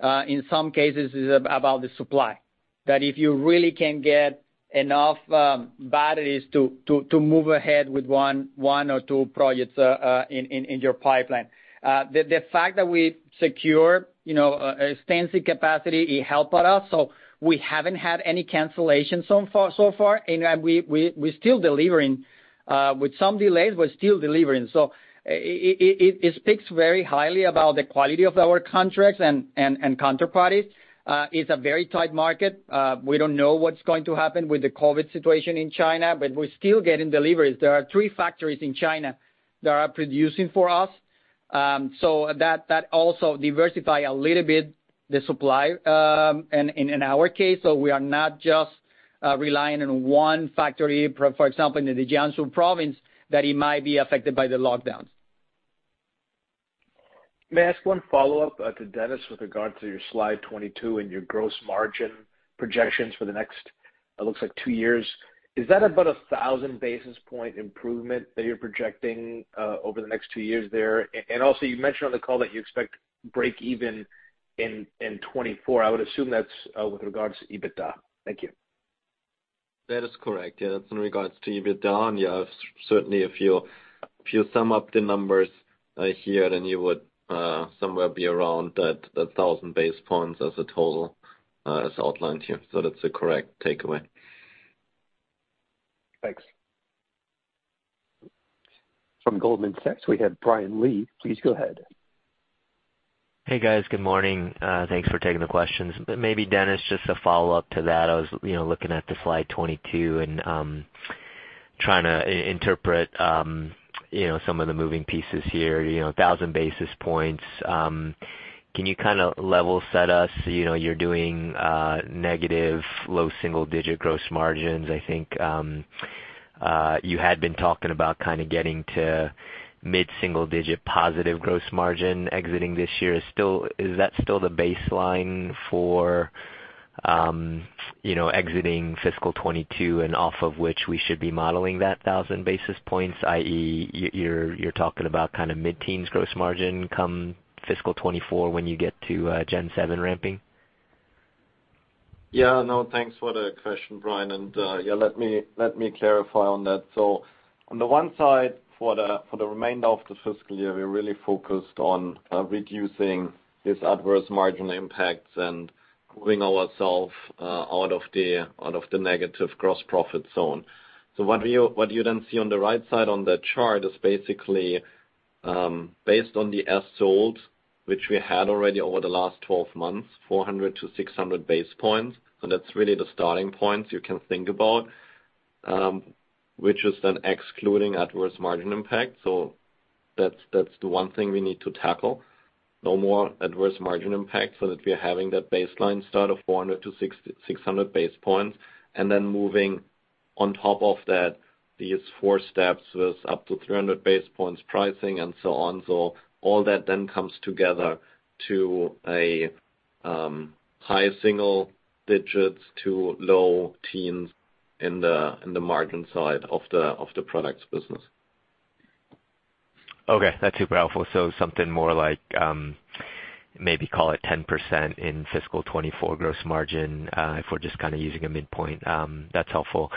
Speaker 3: In some cases it's about the supply. That if you really can't get enough batteries to move ahead with one or two projects in your pipeline. The fact that we secure, you know, extensive capacity helped us. We haven't had any cancellations so far. We're still delivering with some delays. It speaks very highly about the quality of our contracts and counterparties. It's a very tight market. We don't know what's going to happen with the COVID situation in China, but we're still getting deliveries. There are three factories in China that are producing for us. That also diversify a little bit the supply and in our case. We are not just relying on one factory, for example, in the Jiangsu province, that it might be affected by the lockdowns.
Speaker 9: May I ask one follow-up to Dennis with regard to your Slide 22 and your gross margin projections for the next, it looks like two years. Is that about 1,000 basis point improvement that you're projecting over the next two years there? Also you mentioned on the call that you expect breakeven in 2024. I would assume that's with regards to EBITDA. Thank you.
Speaker 5: That is correct. Yeah, that's in regards to EBITDA, and, yeah, certainly if you'll sum up the numbers here, then you would somewhere be around that 1,000 basis points as a total, as outlined here. That's the correct takeaway.
Speaker 9: Thanks.
Speaker 1: From Goldman Sachs, we have Brian K. Lee. Please go ahead.
Speaker 10: Hey, guys. Good morning. Thanks for taking the questions. Maybe Dennis, just a follow-up to that. I was, you know, looking at the Slide 22, and trying to interpret, you know, some of the moving pieces here. You know, 1,000 basis points, can you kinda level set us? You know, you're doing negative low single digit gross margins, I think. You had been talking about kinda getting to mid-single digit positive gross margin exiting this year. Is that still the baseline for, you know, exiting fiscal 2022 and off of which we should be modeling that 1,000 basis points, i.e., you're talking about kinda mid-teens gross margin come fiscal 2024 when you get to Gen7 ramping?
Speaker 5: Yeah, no, thanks for the question, Brian. Yeah, let me clarify on that. On the one side, for the remainder of the fiscal year, we're really focused on reducing these adverse margin impacts and pulling ourself out of the negative gross profit zone. What you then see on the right side on the chart is basically based on the as sold, which we had already over the last 12 months, 400-600 basis points. That's really the starting point you can think about, which is then excluding adverse margin impact. That's the one thing we need to tackle, no more adverse margin impact, so that we're having that baseline start of 400-600 basis points, and then moving on top of that, these four steps with up to 300 basis points pricing and so on. All that then comes together to high single digits% to low teens% in the margin side of the products business.
Speaker 10: Okay, that's super helpful. Something more like, maybe call it 10% in fiscal 2024 gross margin, if we're just kinda using a midpoint. That's helpful.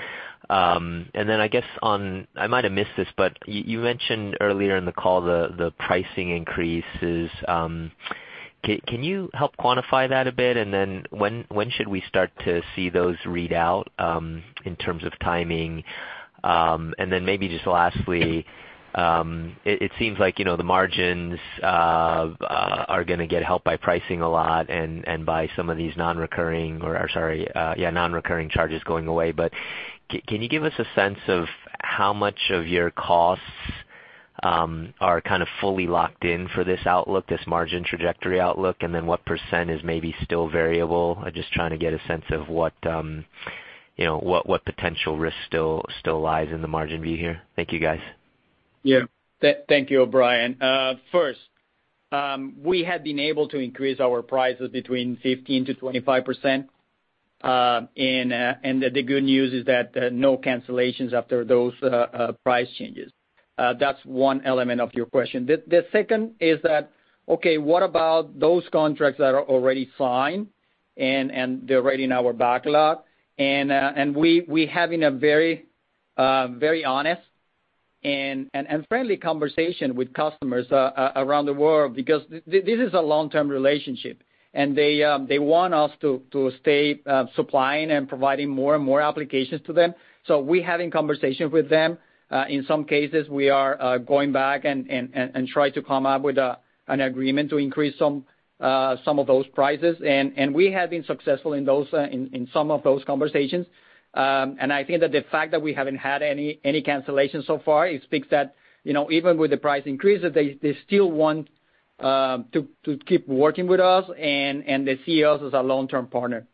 Speaker 10: I guess on... I might have missed this, but you mentioned earlier in the call the pricing increases. Can you help quantify that a bit? When should we start to see those read out, in terms of timing? Maybe just lastly, it seems like, you know, the margins are gonna get helped by pricing a lot and by some of these non-recurring charges going away. Can you give us a sense of how much of your costs are kind of fully locked in for this outlook, this margin trajectory outlook, and then what percent is maybe still variable? I'm just trying to get a sense of what, you know, what potential risk still lies in the margin view here. Thank you, guys.
Speaker 3: Yeah. Thank you, Brian. First, we have been able to increase our prices between 15%-25%, and the good news is that no cancellations after those price changes. That's one element of your question. The second is that, what about those contracts that are already signed and they're already in our backlog? We having a very honest and friendly conversation with customers around the world because this is a long-term relationship and they want us to stay supplying and providing more and more applications to them. We having conversations with them. In some cases, we are going back and try to come up with an agreement to increase some of those prices. We have been successful in those in some of those conversations. I think that the fact that we haven't had any cancellations so far, it speaks that, you know, even with the price increases, they still want to keep working with us and they see us as a long-term partner.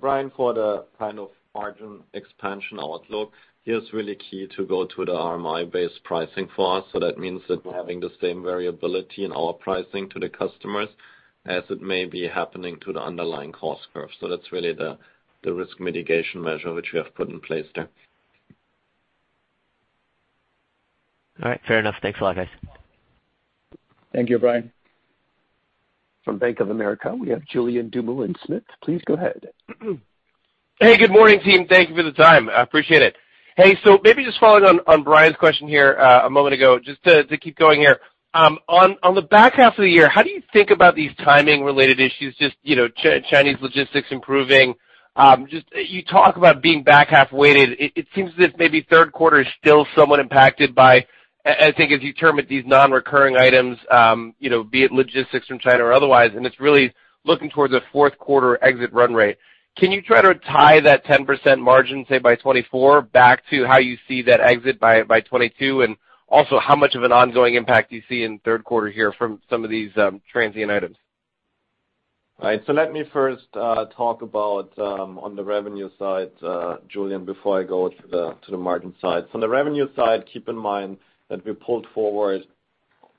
Speaker 5: Brian, for the kind of margin expansion outlook, it is really key to go to the RMI-based pricing for us. That means that we're having the same variability in our pricing to the customers as it may be happening to the underlying cost curve. That's really the risk mitigation measure which we have put in place there.
Speaker 10: All right. Fair enough. Thanks a lot, guys.
Speaker 3: Thank you, Brian.
Speaker 1: From Bank of America, we have Julien Dumoulin-Smith. Please go ahead.
Speaker 11: Hey, good morning, team. Thank you for the time. I appreciate it. Hey, so maybe just following on Brian's question here a moment ago, just to keep going here. On the back half of the year, how do you think about these timing related issues, just, you know, Chinese logistics improving? Just you talk about being back half weighted. It seems as if maybe third quarter is still somewhat impacted by, I think as you term it, these non-recurring items, you know, be it logistics from China or otherwise, and it's really looking towards a fourth quarter exit run rate. Can you try to tie that 10% margin, say, by 2024 back to how you see that exit by 2022? Also, how much of an ongoing impact do you see in third quarter here from some of these transient items?
Speaker 5: All right. Let me first talk about on the revenue side, Julien, before I go to the margin side. From the revenue side, keep in mind that we pulled forward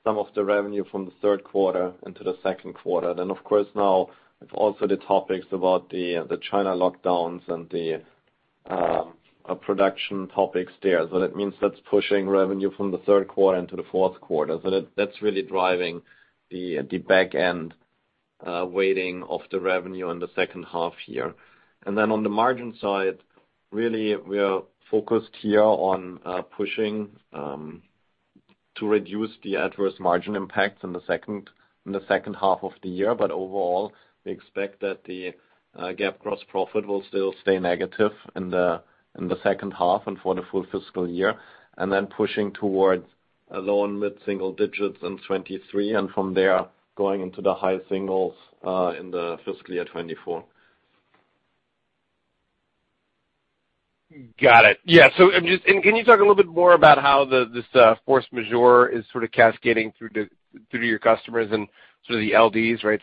Speaker 5: some of the revenue from the third quarter into the second quarter. Of course now it's also the topics about the China lockdowns and the production topics there. That's really driving the back end weighting of the revenue in the second half year. On the margin side, really we are focused here on pushing to reduce the adverse margin impacts in the second half of the year. Overall, we expect that the GAAP gross profit will still stay negative in the second half and for the full fiscal year, and then pushing towards low- and mid-single digits% in 2023, and from there, going into the high single digits% in the fiscal year 2024.
Speaker 11: Got it. Yeah. Can you talk a little bit more about how this force majeure is sort of cascading through to your customers and through the LDs, right?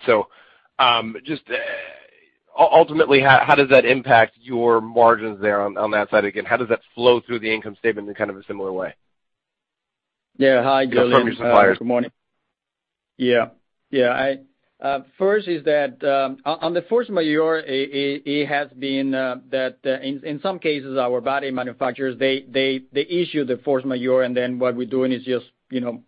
Speaker 11: Just ultimately, how does that impact your margins there on that side? Again, how does that flow through the income statement in kind of a similar way?
Speaker 3: Yeah. Hi, Julien.
Speaker 11: From your suppliers.
Speaker 3: Good morning. Yeah. Yeah. First is that on the force majeure, it has been that in some cases our battery manufacturers, they issue the force majeure and then what we're doing is just, you know,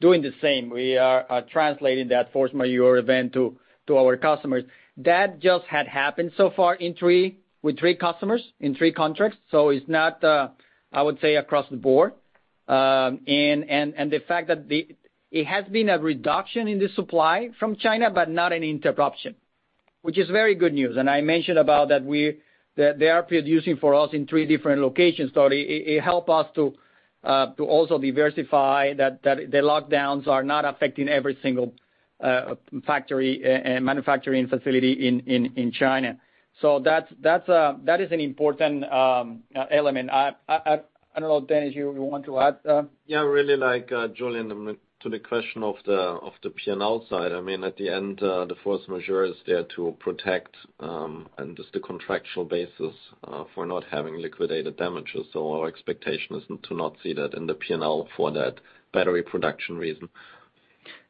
Speaker 3: doing the same. We are translating that force majeure event to our customers. That just had happened so far with three customers in three contracts. So it's not, I would say, across the board. The fact that it has been a reduction in the supply from China, but not an interruption, which is very good news. I mentioned about that they are producing for us in three different locations. It help us to also diversify that the lockdowns are not affecting every single factory and manufacturing facility in China. That's an important element. I don't know, Dennis, you want to add?
Speaker 5: Yeah, really like, Julien Dumoulin-Smith, to the question of the P&L side, I mean, at the end, the force majeure is there to protect, and just the contractual basis, for not having liquidated damages. Our expectation is to not see that in the P&L for that battery production reason.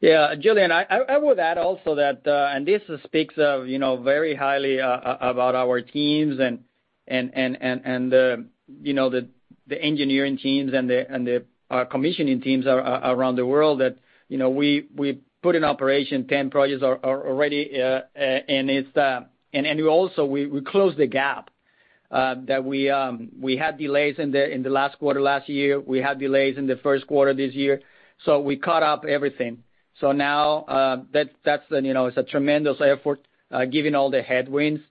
Speaker 3: Yeah. Julien, I would add also that and this speaks of, you know, very highly about our teams and you know, the engineering teams and the commissioning teams around the world that, you know, we put in operation 10 projects already and it's. We also closed the gap that we had delays in the last quarter last year. We had delays in the first quarter this year. We caught up everything. Now, that that's an, you know, it's a tremendous effort given all the headwinds.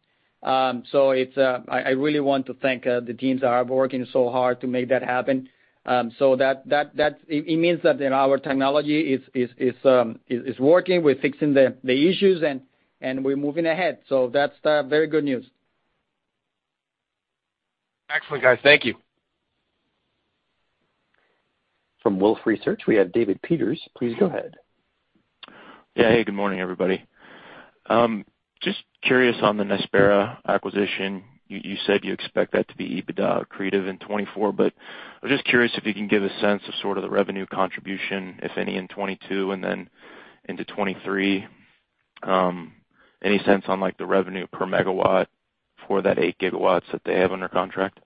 Speaker 3: I really want to thank the teams are working so hard to make that happen. That means that our technology is working. We're fixing the issues and we're moving ahead. That's very good news.
Speaker 11: Excellent, guys. Thank you.
Speaker 1: From Wolfe Research, we have David Peters. Please go ahead.
Speaker 12: Yeah. Hey, good morning, everybody. Just curious on the Nispera acquisition. You said you expect that to be EBITDA accretive in 2024, but I'm just curious if you can give a sense of sort of the revenue contribution, if any, in 2022 and then into 2023. Any sense on like the revenue per megawatt for that 8 GW that they have under contract?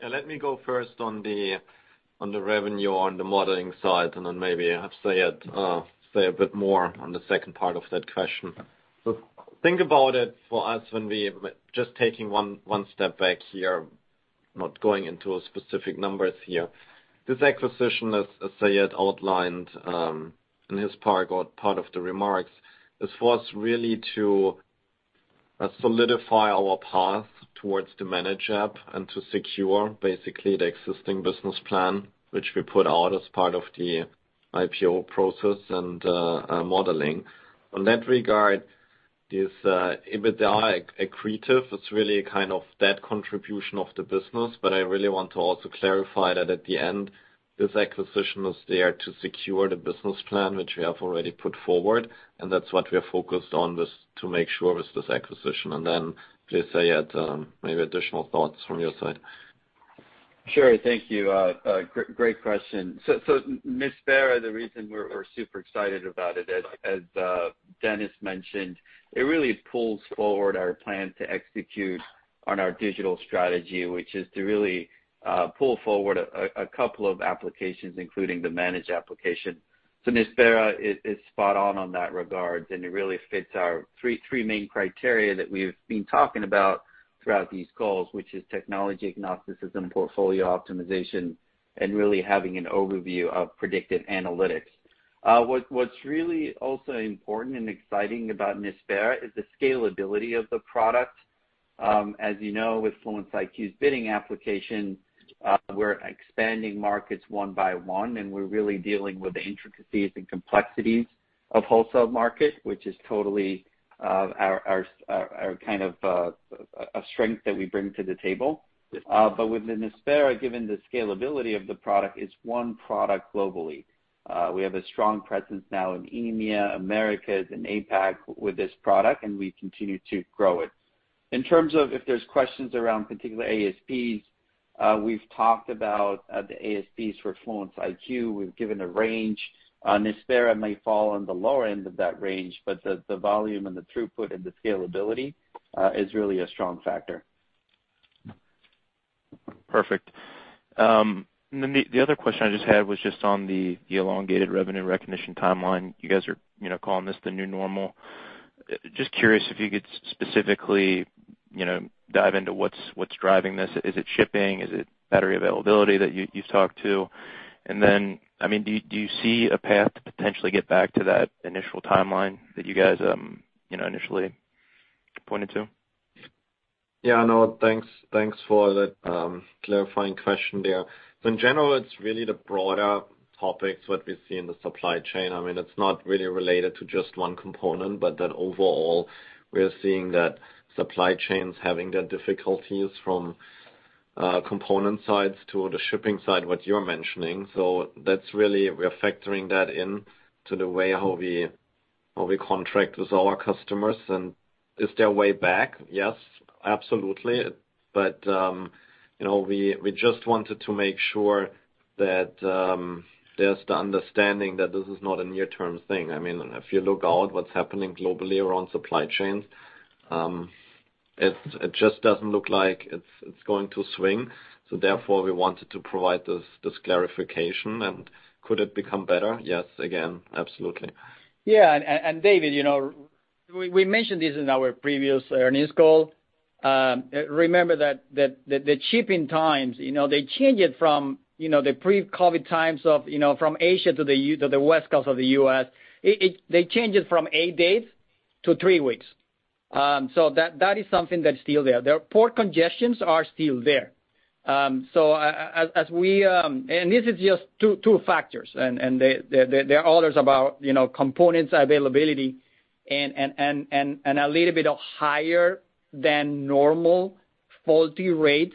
Speaker 5: Yeah. Let me go first on the revenue on the modeling side, and then maybe have Seyed say a bit more on the second part of that question. Think about it for us when we just taking one step back here, not going into specific numbers here. This acquisition, as Seyed outlined, in his part of the remarks, is for us really to solidify our path towards the Manage app and to secure basically the existing business plan, which we put out as part of the IPO process and modeling. In that regard, this EBITDA accretive is really a kind of that contribution of the business. I really want to also clarify that at the end, this acquisition was there to secure the business plan, which we have already put forward, and that's what we are focused on this, to make sure with this acquisition. Please, Seyed, maybe additional thoughts from your side.
Speaker 4: Sure. Thank you. Great question. Nispera, the reason we're super excited about it, as Dennis mentioned, it really pulls forward our plan to execute on our digital strategy, which is to really pull forward a couple of applications, including the Manage application. Nispera is spot on in that regard, and it really fits our three main criteria that we've been talking about throughout these calls, which is technology agnosticism, portfolio optimization, and really having an overview of predictive analytics. What is really also important and exciting about Nispera is the scalability of the product. As you know, with Fluence IQ's bidding application, we're expanding markets one by one, and we're really dealing with the intricacies and complexities of wholesale market, which is totally our kind of a strength that we bring to the table. With the Nispera, given the scalability of the product, it's one product globally. We have a strong presence now in EMEA, Americas, and APAC with this product, and we continue to grow it. In terms of if there's questions around particular ASPs, we've talked about the ASPs for Fluence IQ. We've given a range. Nispera may fall on the lower end of that range, but the volume and the throughput and the scalability is really a strong factor.
Speaker 12: Perfect. The other question I just had was just on the elongated revenue recognition timeline. You guys are, you know, calling this the new normal. Just curious if you could specifically, you know, dive into what's driving this. Is it shipping? Is it battery availability that you talked to? I mean, do you see a path to potentially get back to that initial timeline that you guys, you know, initially pointed to?
Speaker 5: Yeah, no. Thanks for that clarifying question there. In general, it's really the broader topics what we see in the supply chain. I mean, it's not really related to just one component, but that overall we're seeing that supply chains having their difficulties from component sides to the shipping side, what you're mentioning. That's really. We're factoring that in to the way how we contract with our customers. Is there a way back? Yes, absolutely. You know, we just wanted to make sure that there's the understanding that this is not a near-term thing. I mean, if you look out what's happening globally around supply chains, it just doesn't look like it's going to swing, so therefore we wanted to provide this clarification. Could it become better? Yes, again, absolutely.
Speaker 3: David, you know, we mentioned this in our previous earnings call. Remember that the shipping times, you know, they change it from the pre-COVID times of, you know, from Asia to the West Coast of the U.S. They change it from eight days to three weeks. So that is something that's still there. The port congestions are still there. This is just two factors, and there are others about, you know, components availability and a little bit higher than normal faulty rates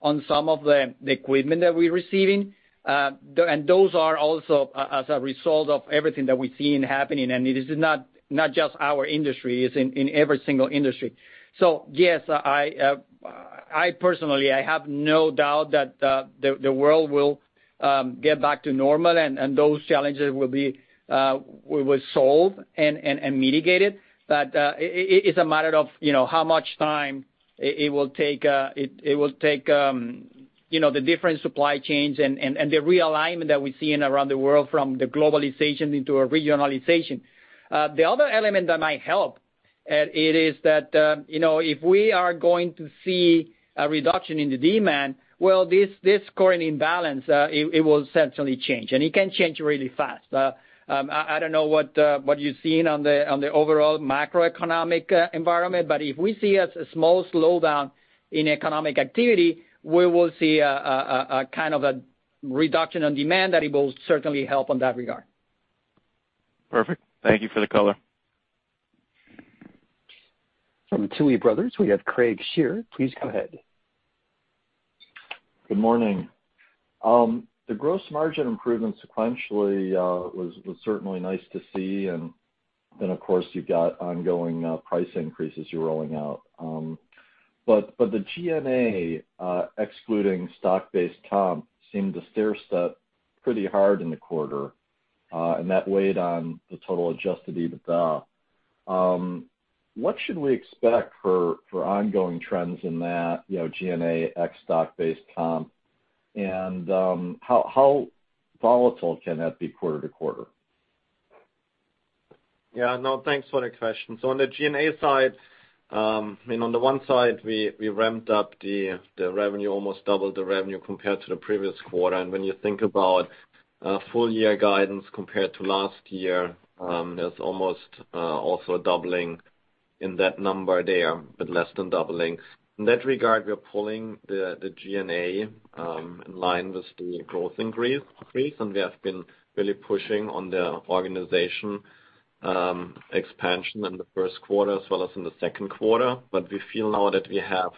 Speaker 3: on some of the equipment that we're receiving. And those are also as a result of everything that we're seeing happening, and it is not just our industry. It's in every single industry. Yes, I personally I have no doubt that the world will get back to normal and those challenges will be solved and mitigated. It's a matter of, you know, how much time it will take, you know, the different supply chains and the realignment that we're seeing around the world from the globalization into a regionalization. The other element that might help, it is that, you know, if we are going to see a reduction in the demand, well, this current imbalance, it will certainly change, and it can change really fast. I don't know what you're seeing on the overall macroeconomic environment, but if we see a small slowdown in economic activity, we will see a kind of a reduction in demand that it will certainly help in that regard.
Speaker 12: Perfect. Thank you for the color.
Speaker 1: From Tuohy Brothers, we have Craig Shere. Please go ahead.
Speaker 13: Good morning. The gross margin improvement sequentially was certainly nice to see. Of course, you've got ongoing price increases you're rolling out. The G&A excluding stock-based comp seemed to stairstep pretty hard in the quarter, and that weighed on the total adjusted EBITDA. What should we expect for ongoing trends in that, you know, G&A ex stock-based comp? How volatile can that be quarter to quarter?
Speaker 5: Yeah, no, thanks for the question. So on the G&A side, I mean, on the one side, we ramped up the revenue, almost doubled the revenue compared to the previous quarter. When you think about full year guidance compared to last year, there's almost also a doubling in that number there, but less than doubling. In that regard, we are pulling the G&A in line with the growth increase, and we have been really pushing on the organization expansion in the first quarter as well as in the second quarter. We feel now that we have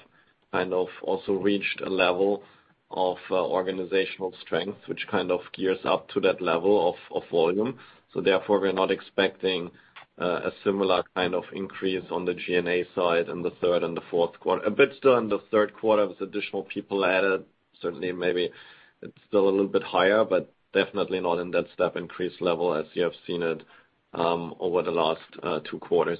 Speaker 5: kind of also reached a level of organizational strength, which kind of gears up to that level of volume. We're not expecting a similar kind of increase on the G&A side in the third and the fourth quarter. A bit still in the third quarter with additional people added, certainly maybe it's still a little bit higher, but definitely not in that step increase level as you have seen it over the last two quarters.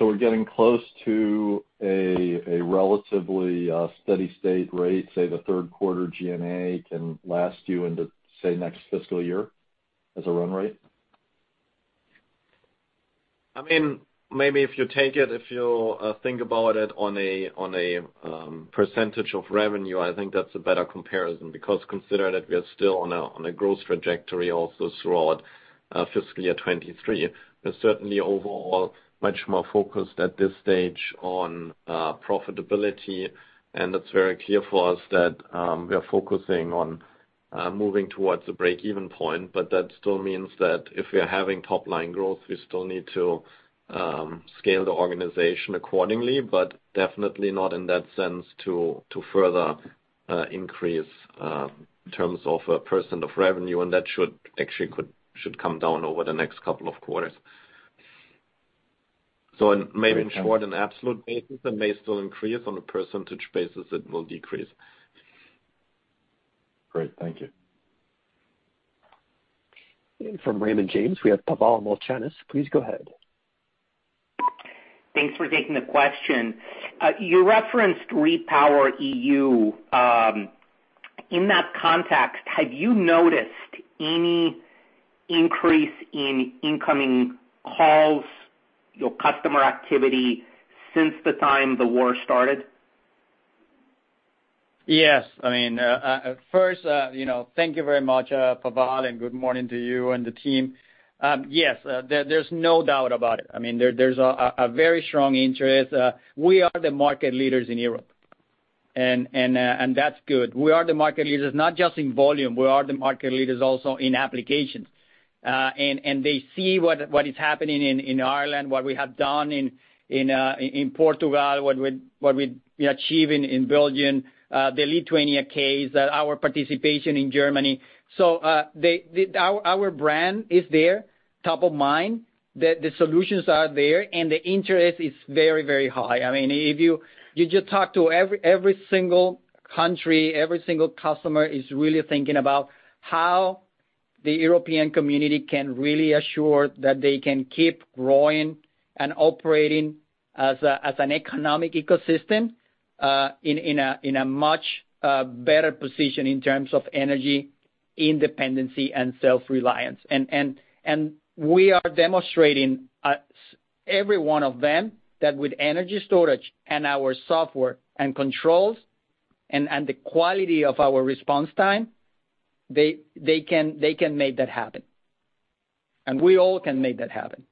Speaker 13: We're getting close to a relatively steady state rate, say the third quarter G&A can last you into, say, next fiscal year as a run rate?
Speaker 3: I mean, maybe if you take it, if you think about it on a percentage of revenue, I think that's a better comparison because consider that we are still on a growth trajectory also throughout fiscal year 2023. Certainly overall, much more focused at this stage on profitability, and it's very clear for us that we are focusing on moving towards the break-even point. That still means that if we are having top line growth, we still need to scale the organization accordingly, but definitely not in that sense to further Increase in terms of a % of revenue, and that should come down over the next couple of quarters. Maybe in short, on an absolute basis, it may still increase. On a % basis, it will decrease.
Speaker 13: Great. Thank you.
Speaker 1: From Raymond James, we have Pavel Molchanov. Please go ahead.
Speaker 14: Thanks for taking the question. You referenced REPowerEU. In that context, have you noticed any increase in incoming calls, your customer activity since the time the war started?
Speaker 3: Yes. I mean, first, you know, thank you very much, Pavel, and good morning to you and the team. There's no doubt about it. I mean, there's a very strong interest. We are the market leaders in Europe, and that's good. We are the market leaders, not just in volume, also in applications. They see what is happening in Ireland, what we have done in Portugal, what we achieve in Belgium, the Lithuania case, our participation in Germany. Our brand is there, top of mind. The solutions are there, and the interest is very, very high. I mean, if you just talk to every single country, every single customer is really thinking about how the European Community can really assure that they can keep growing and operating as an economic ecosystem in a much better position in terms of energy independence and self-reliance. We are demonstrating to every one of them that with energy storage and our software and controls and the quality of our response time, they can make that happen, and we all can make that happen.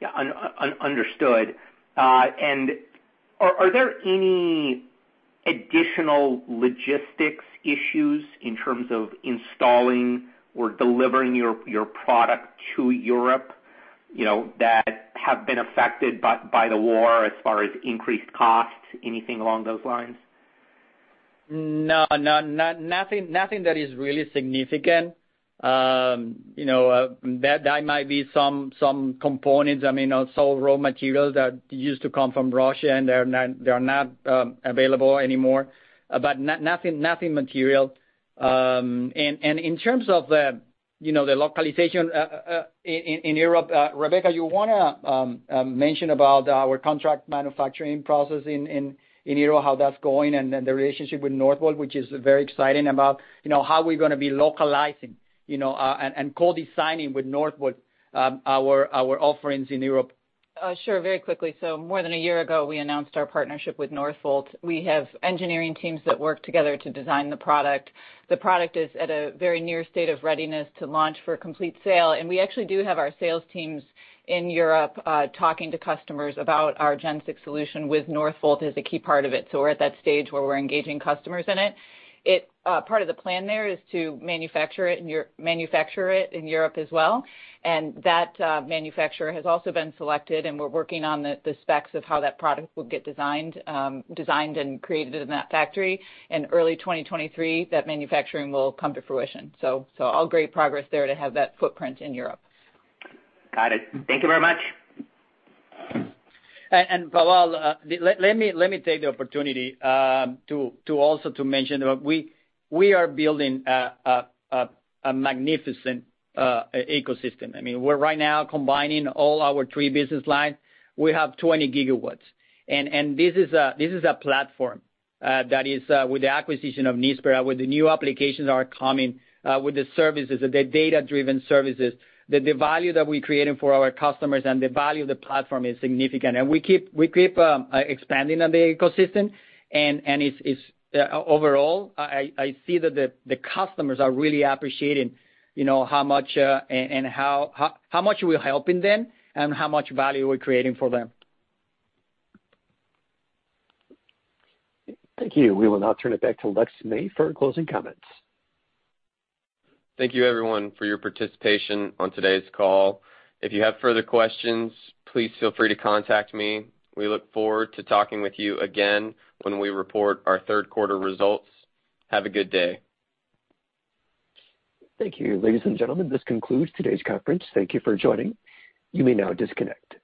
Speaker 14: Yeah. Understood. Are there any additional logistics issues in terms of installing or delivering your product to Europe, you know, that have been affected by the war as far as increased costs? Anything along those lines?
Speaker 3: No, nothing that is really significant. You know, that might be some components. I mean, some raw materials that used to come from Russia, and they're not available anymore. But nothing material. And in terms of the localization in Europe, Rebecca, you wanna mention about our contract manufacturing process in Europe, how that's going, and then the relationship with Northvolt, which is very exciting about, you know, how we're gonna be localizing, you know, and co-designing with Northvolt, our offerings in Europe.
Speaker 7: Sure. Very quickly. More than a year ago, we announced our partnership with Northvolt. We have engineering teams that work together to design the product. The product is at a very near state of readiness to launch for complete sale, and we actually do have our sales teams in Europe, talking to customers about our Gen6 solution, with Northvolt as a key part of it. We're at that stage where we're engaging customers in it. Part of the plan there is to manufacture it in Europe as well. That manufacturer has also been selected, and we're working on the specs of how that product will get designed and created in that factory. In early 2023, that manufacturing will come to fruition. All great progress there to have that footprint in Europe.
Speaker 14: Got it. Thank you very much.
Speaker 3: Pavel, let me take the opportunity to also mention, we are building a magnificent ecosystem. I mean, we're right now combining all our three business lines. We have 20 GW. This is a platform that is with the acquisition of Nispera, with the new applications are coming, with the services, the data-driven services, the value that we're creating for our customers and the value of the platform is significant. We keep expanding on the ecosystem and it's overall, I see that the customers are really appreciating, you know, how much and how much we're helping them and how much value we're creating for them.
Speaker 1: Thank you. We will now turn it back to Lex May for closing comments.
Speaker 2: Thank you everyone for your participation on today's call. If you have further questions, please feel free to contact me. We look forward to talking with you again when we report our third quarter results. Have a good day.
Speaker 1: Thank you. Ladies and gentlemen, this concludes today's conference. Thank you for joining. You may now disconnect.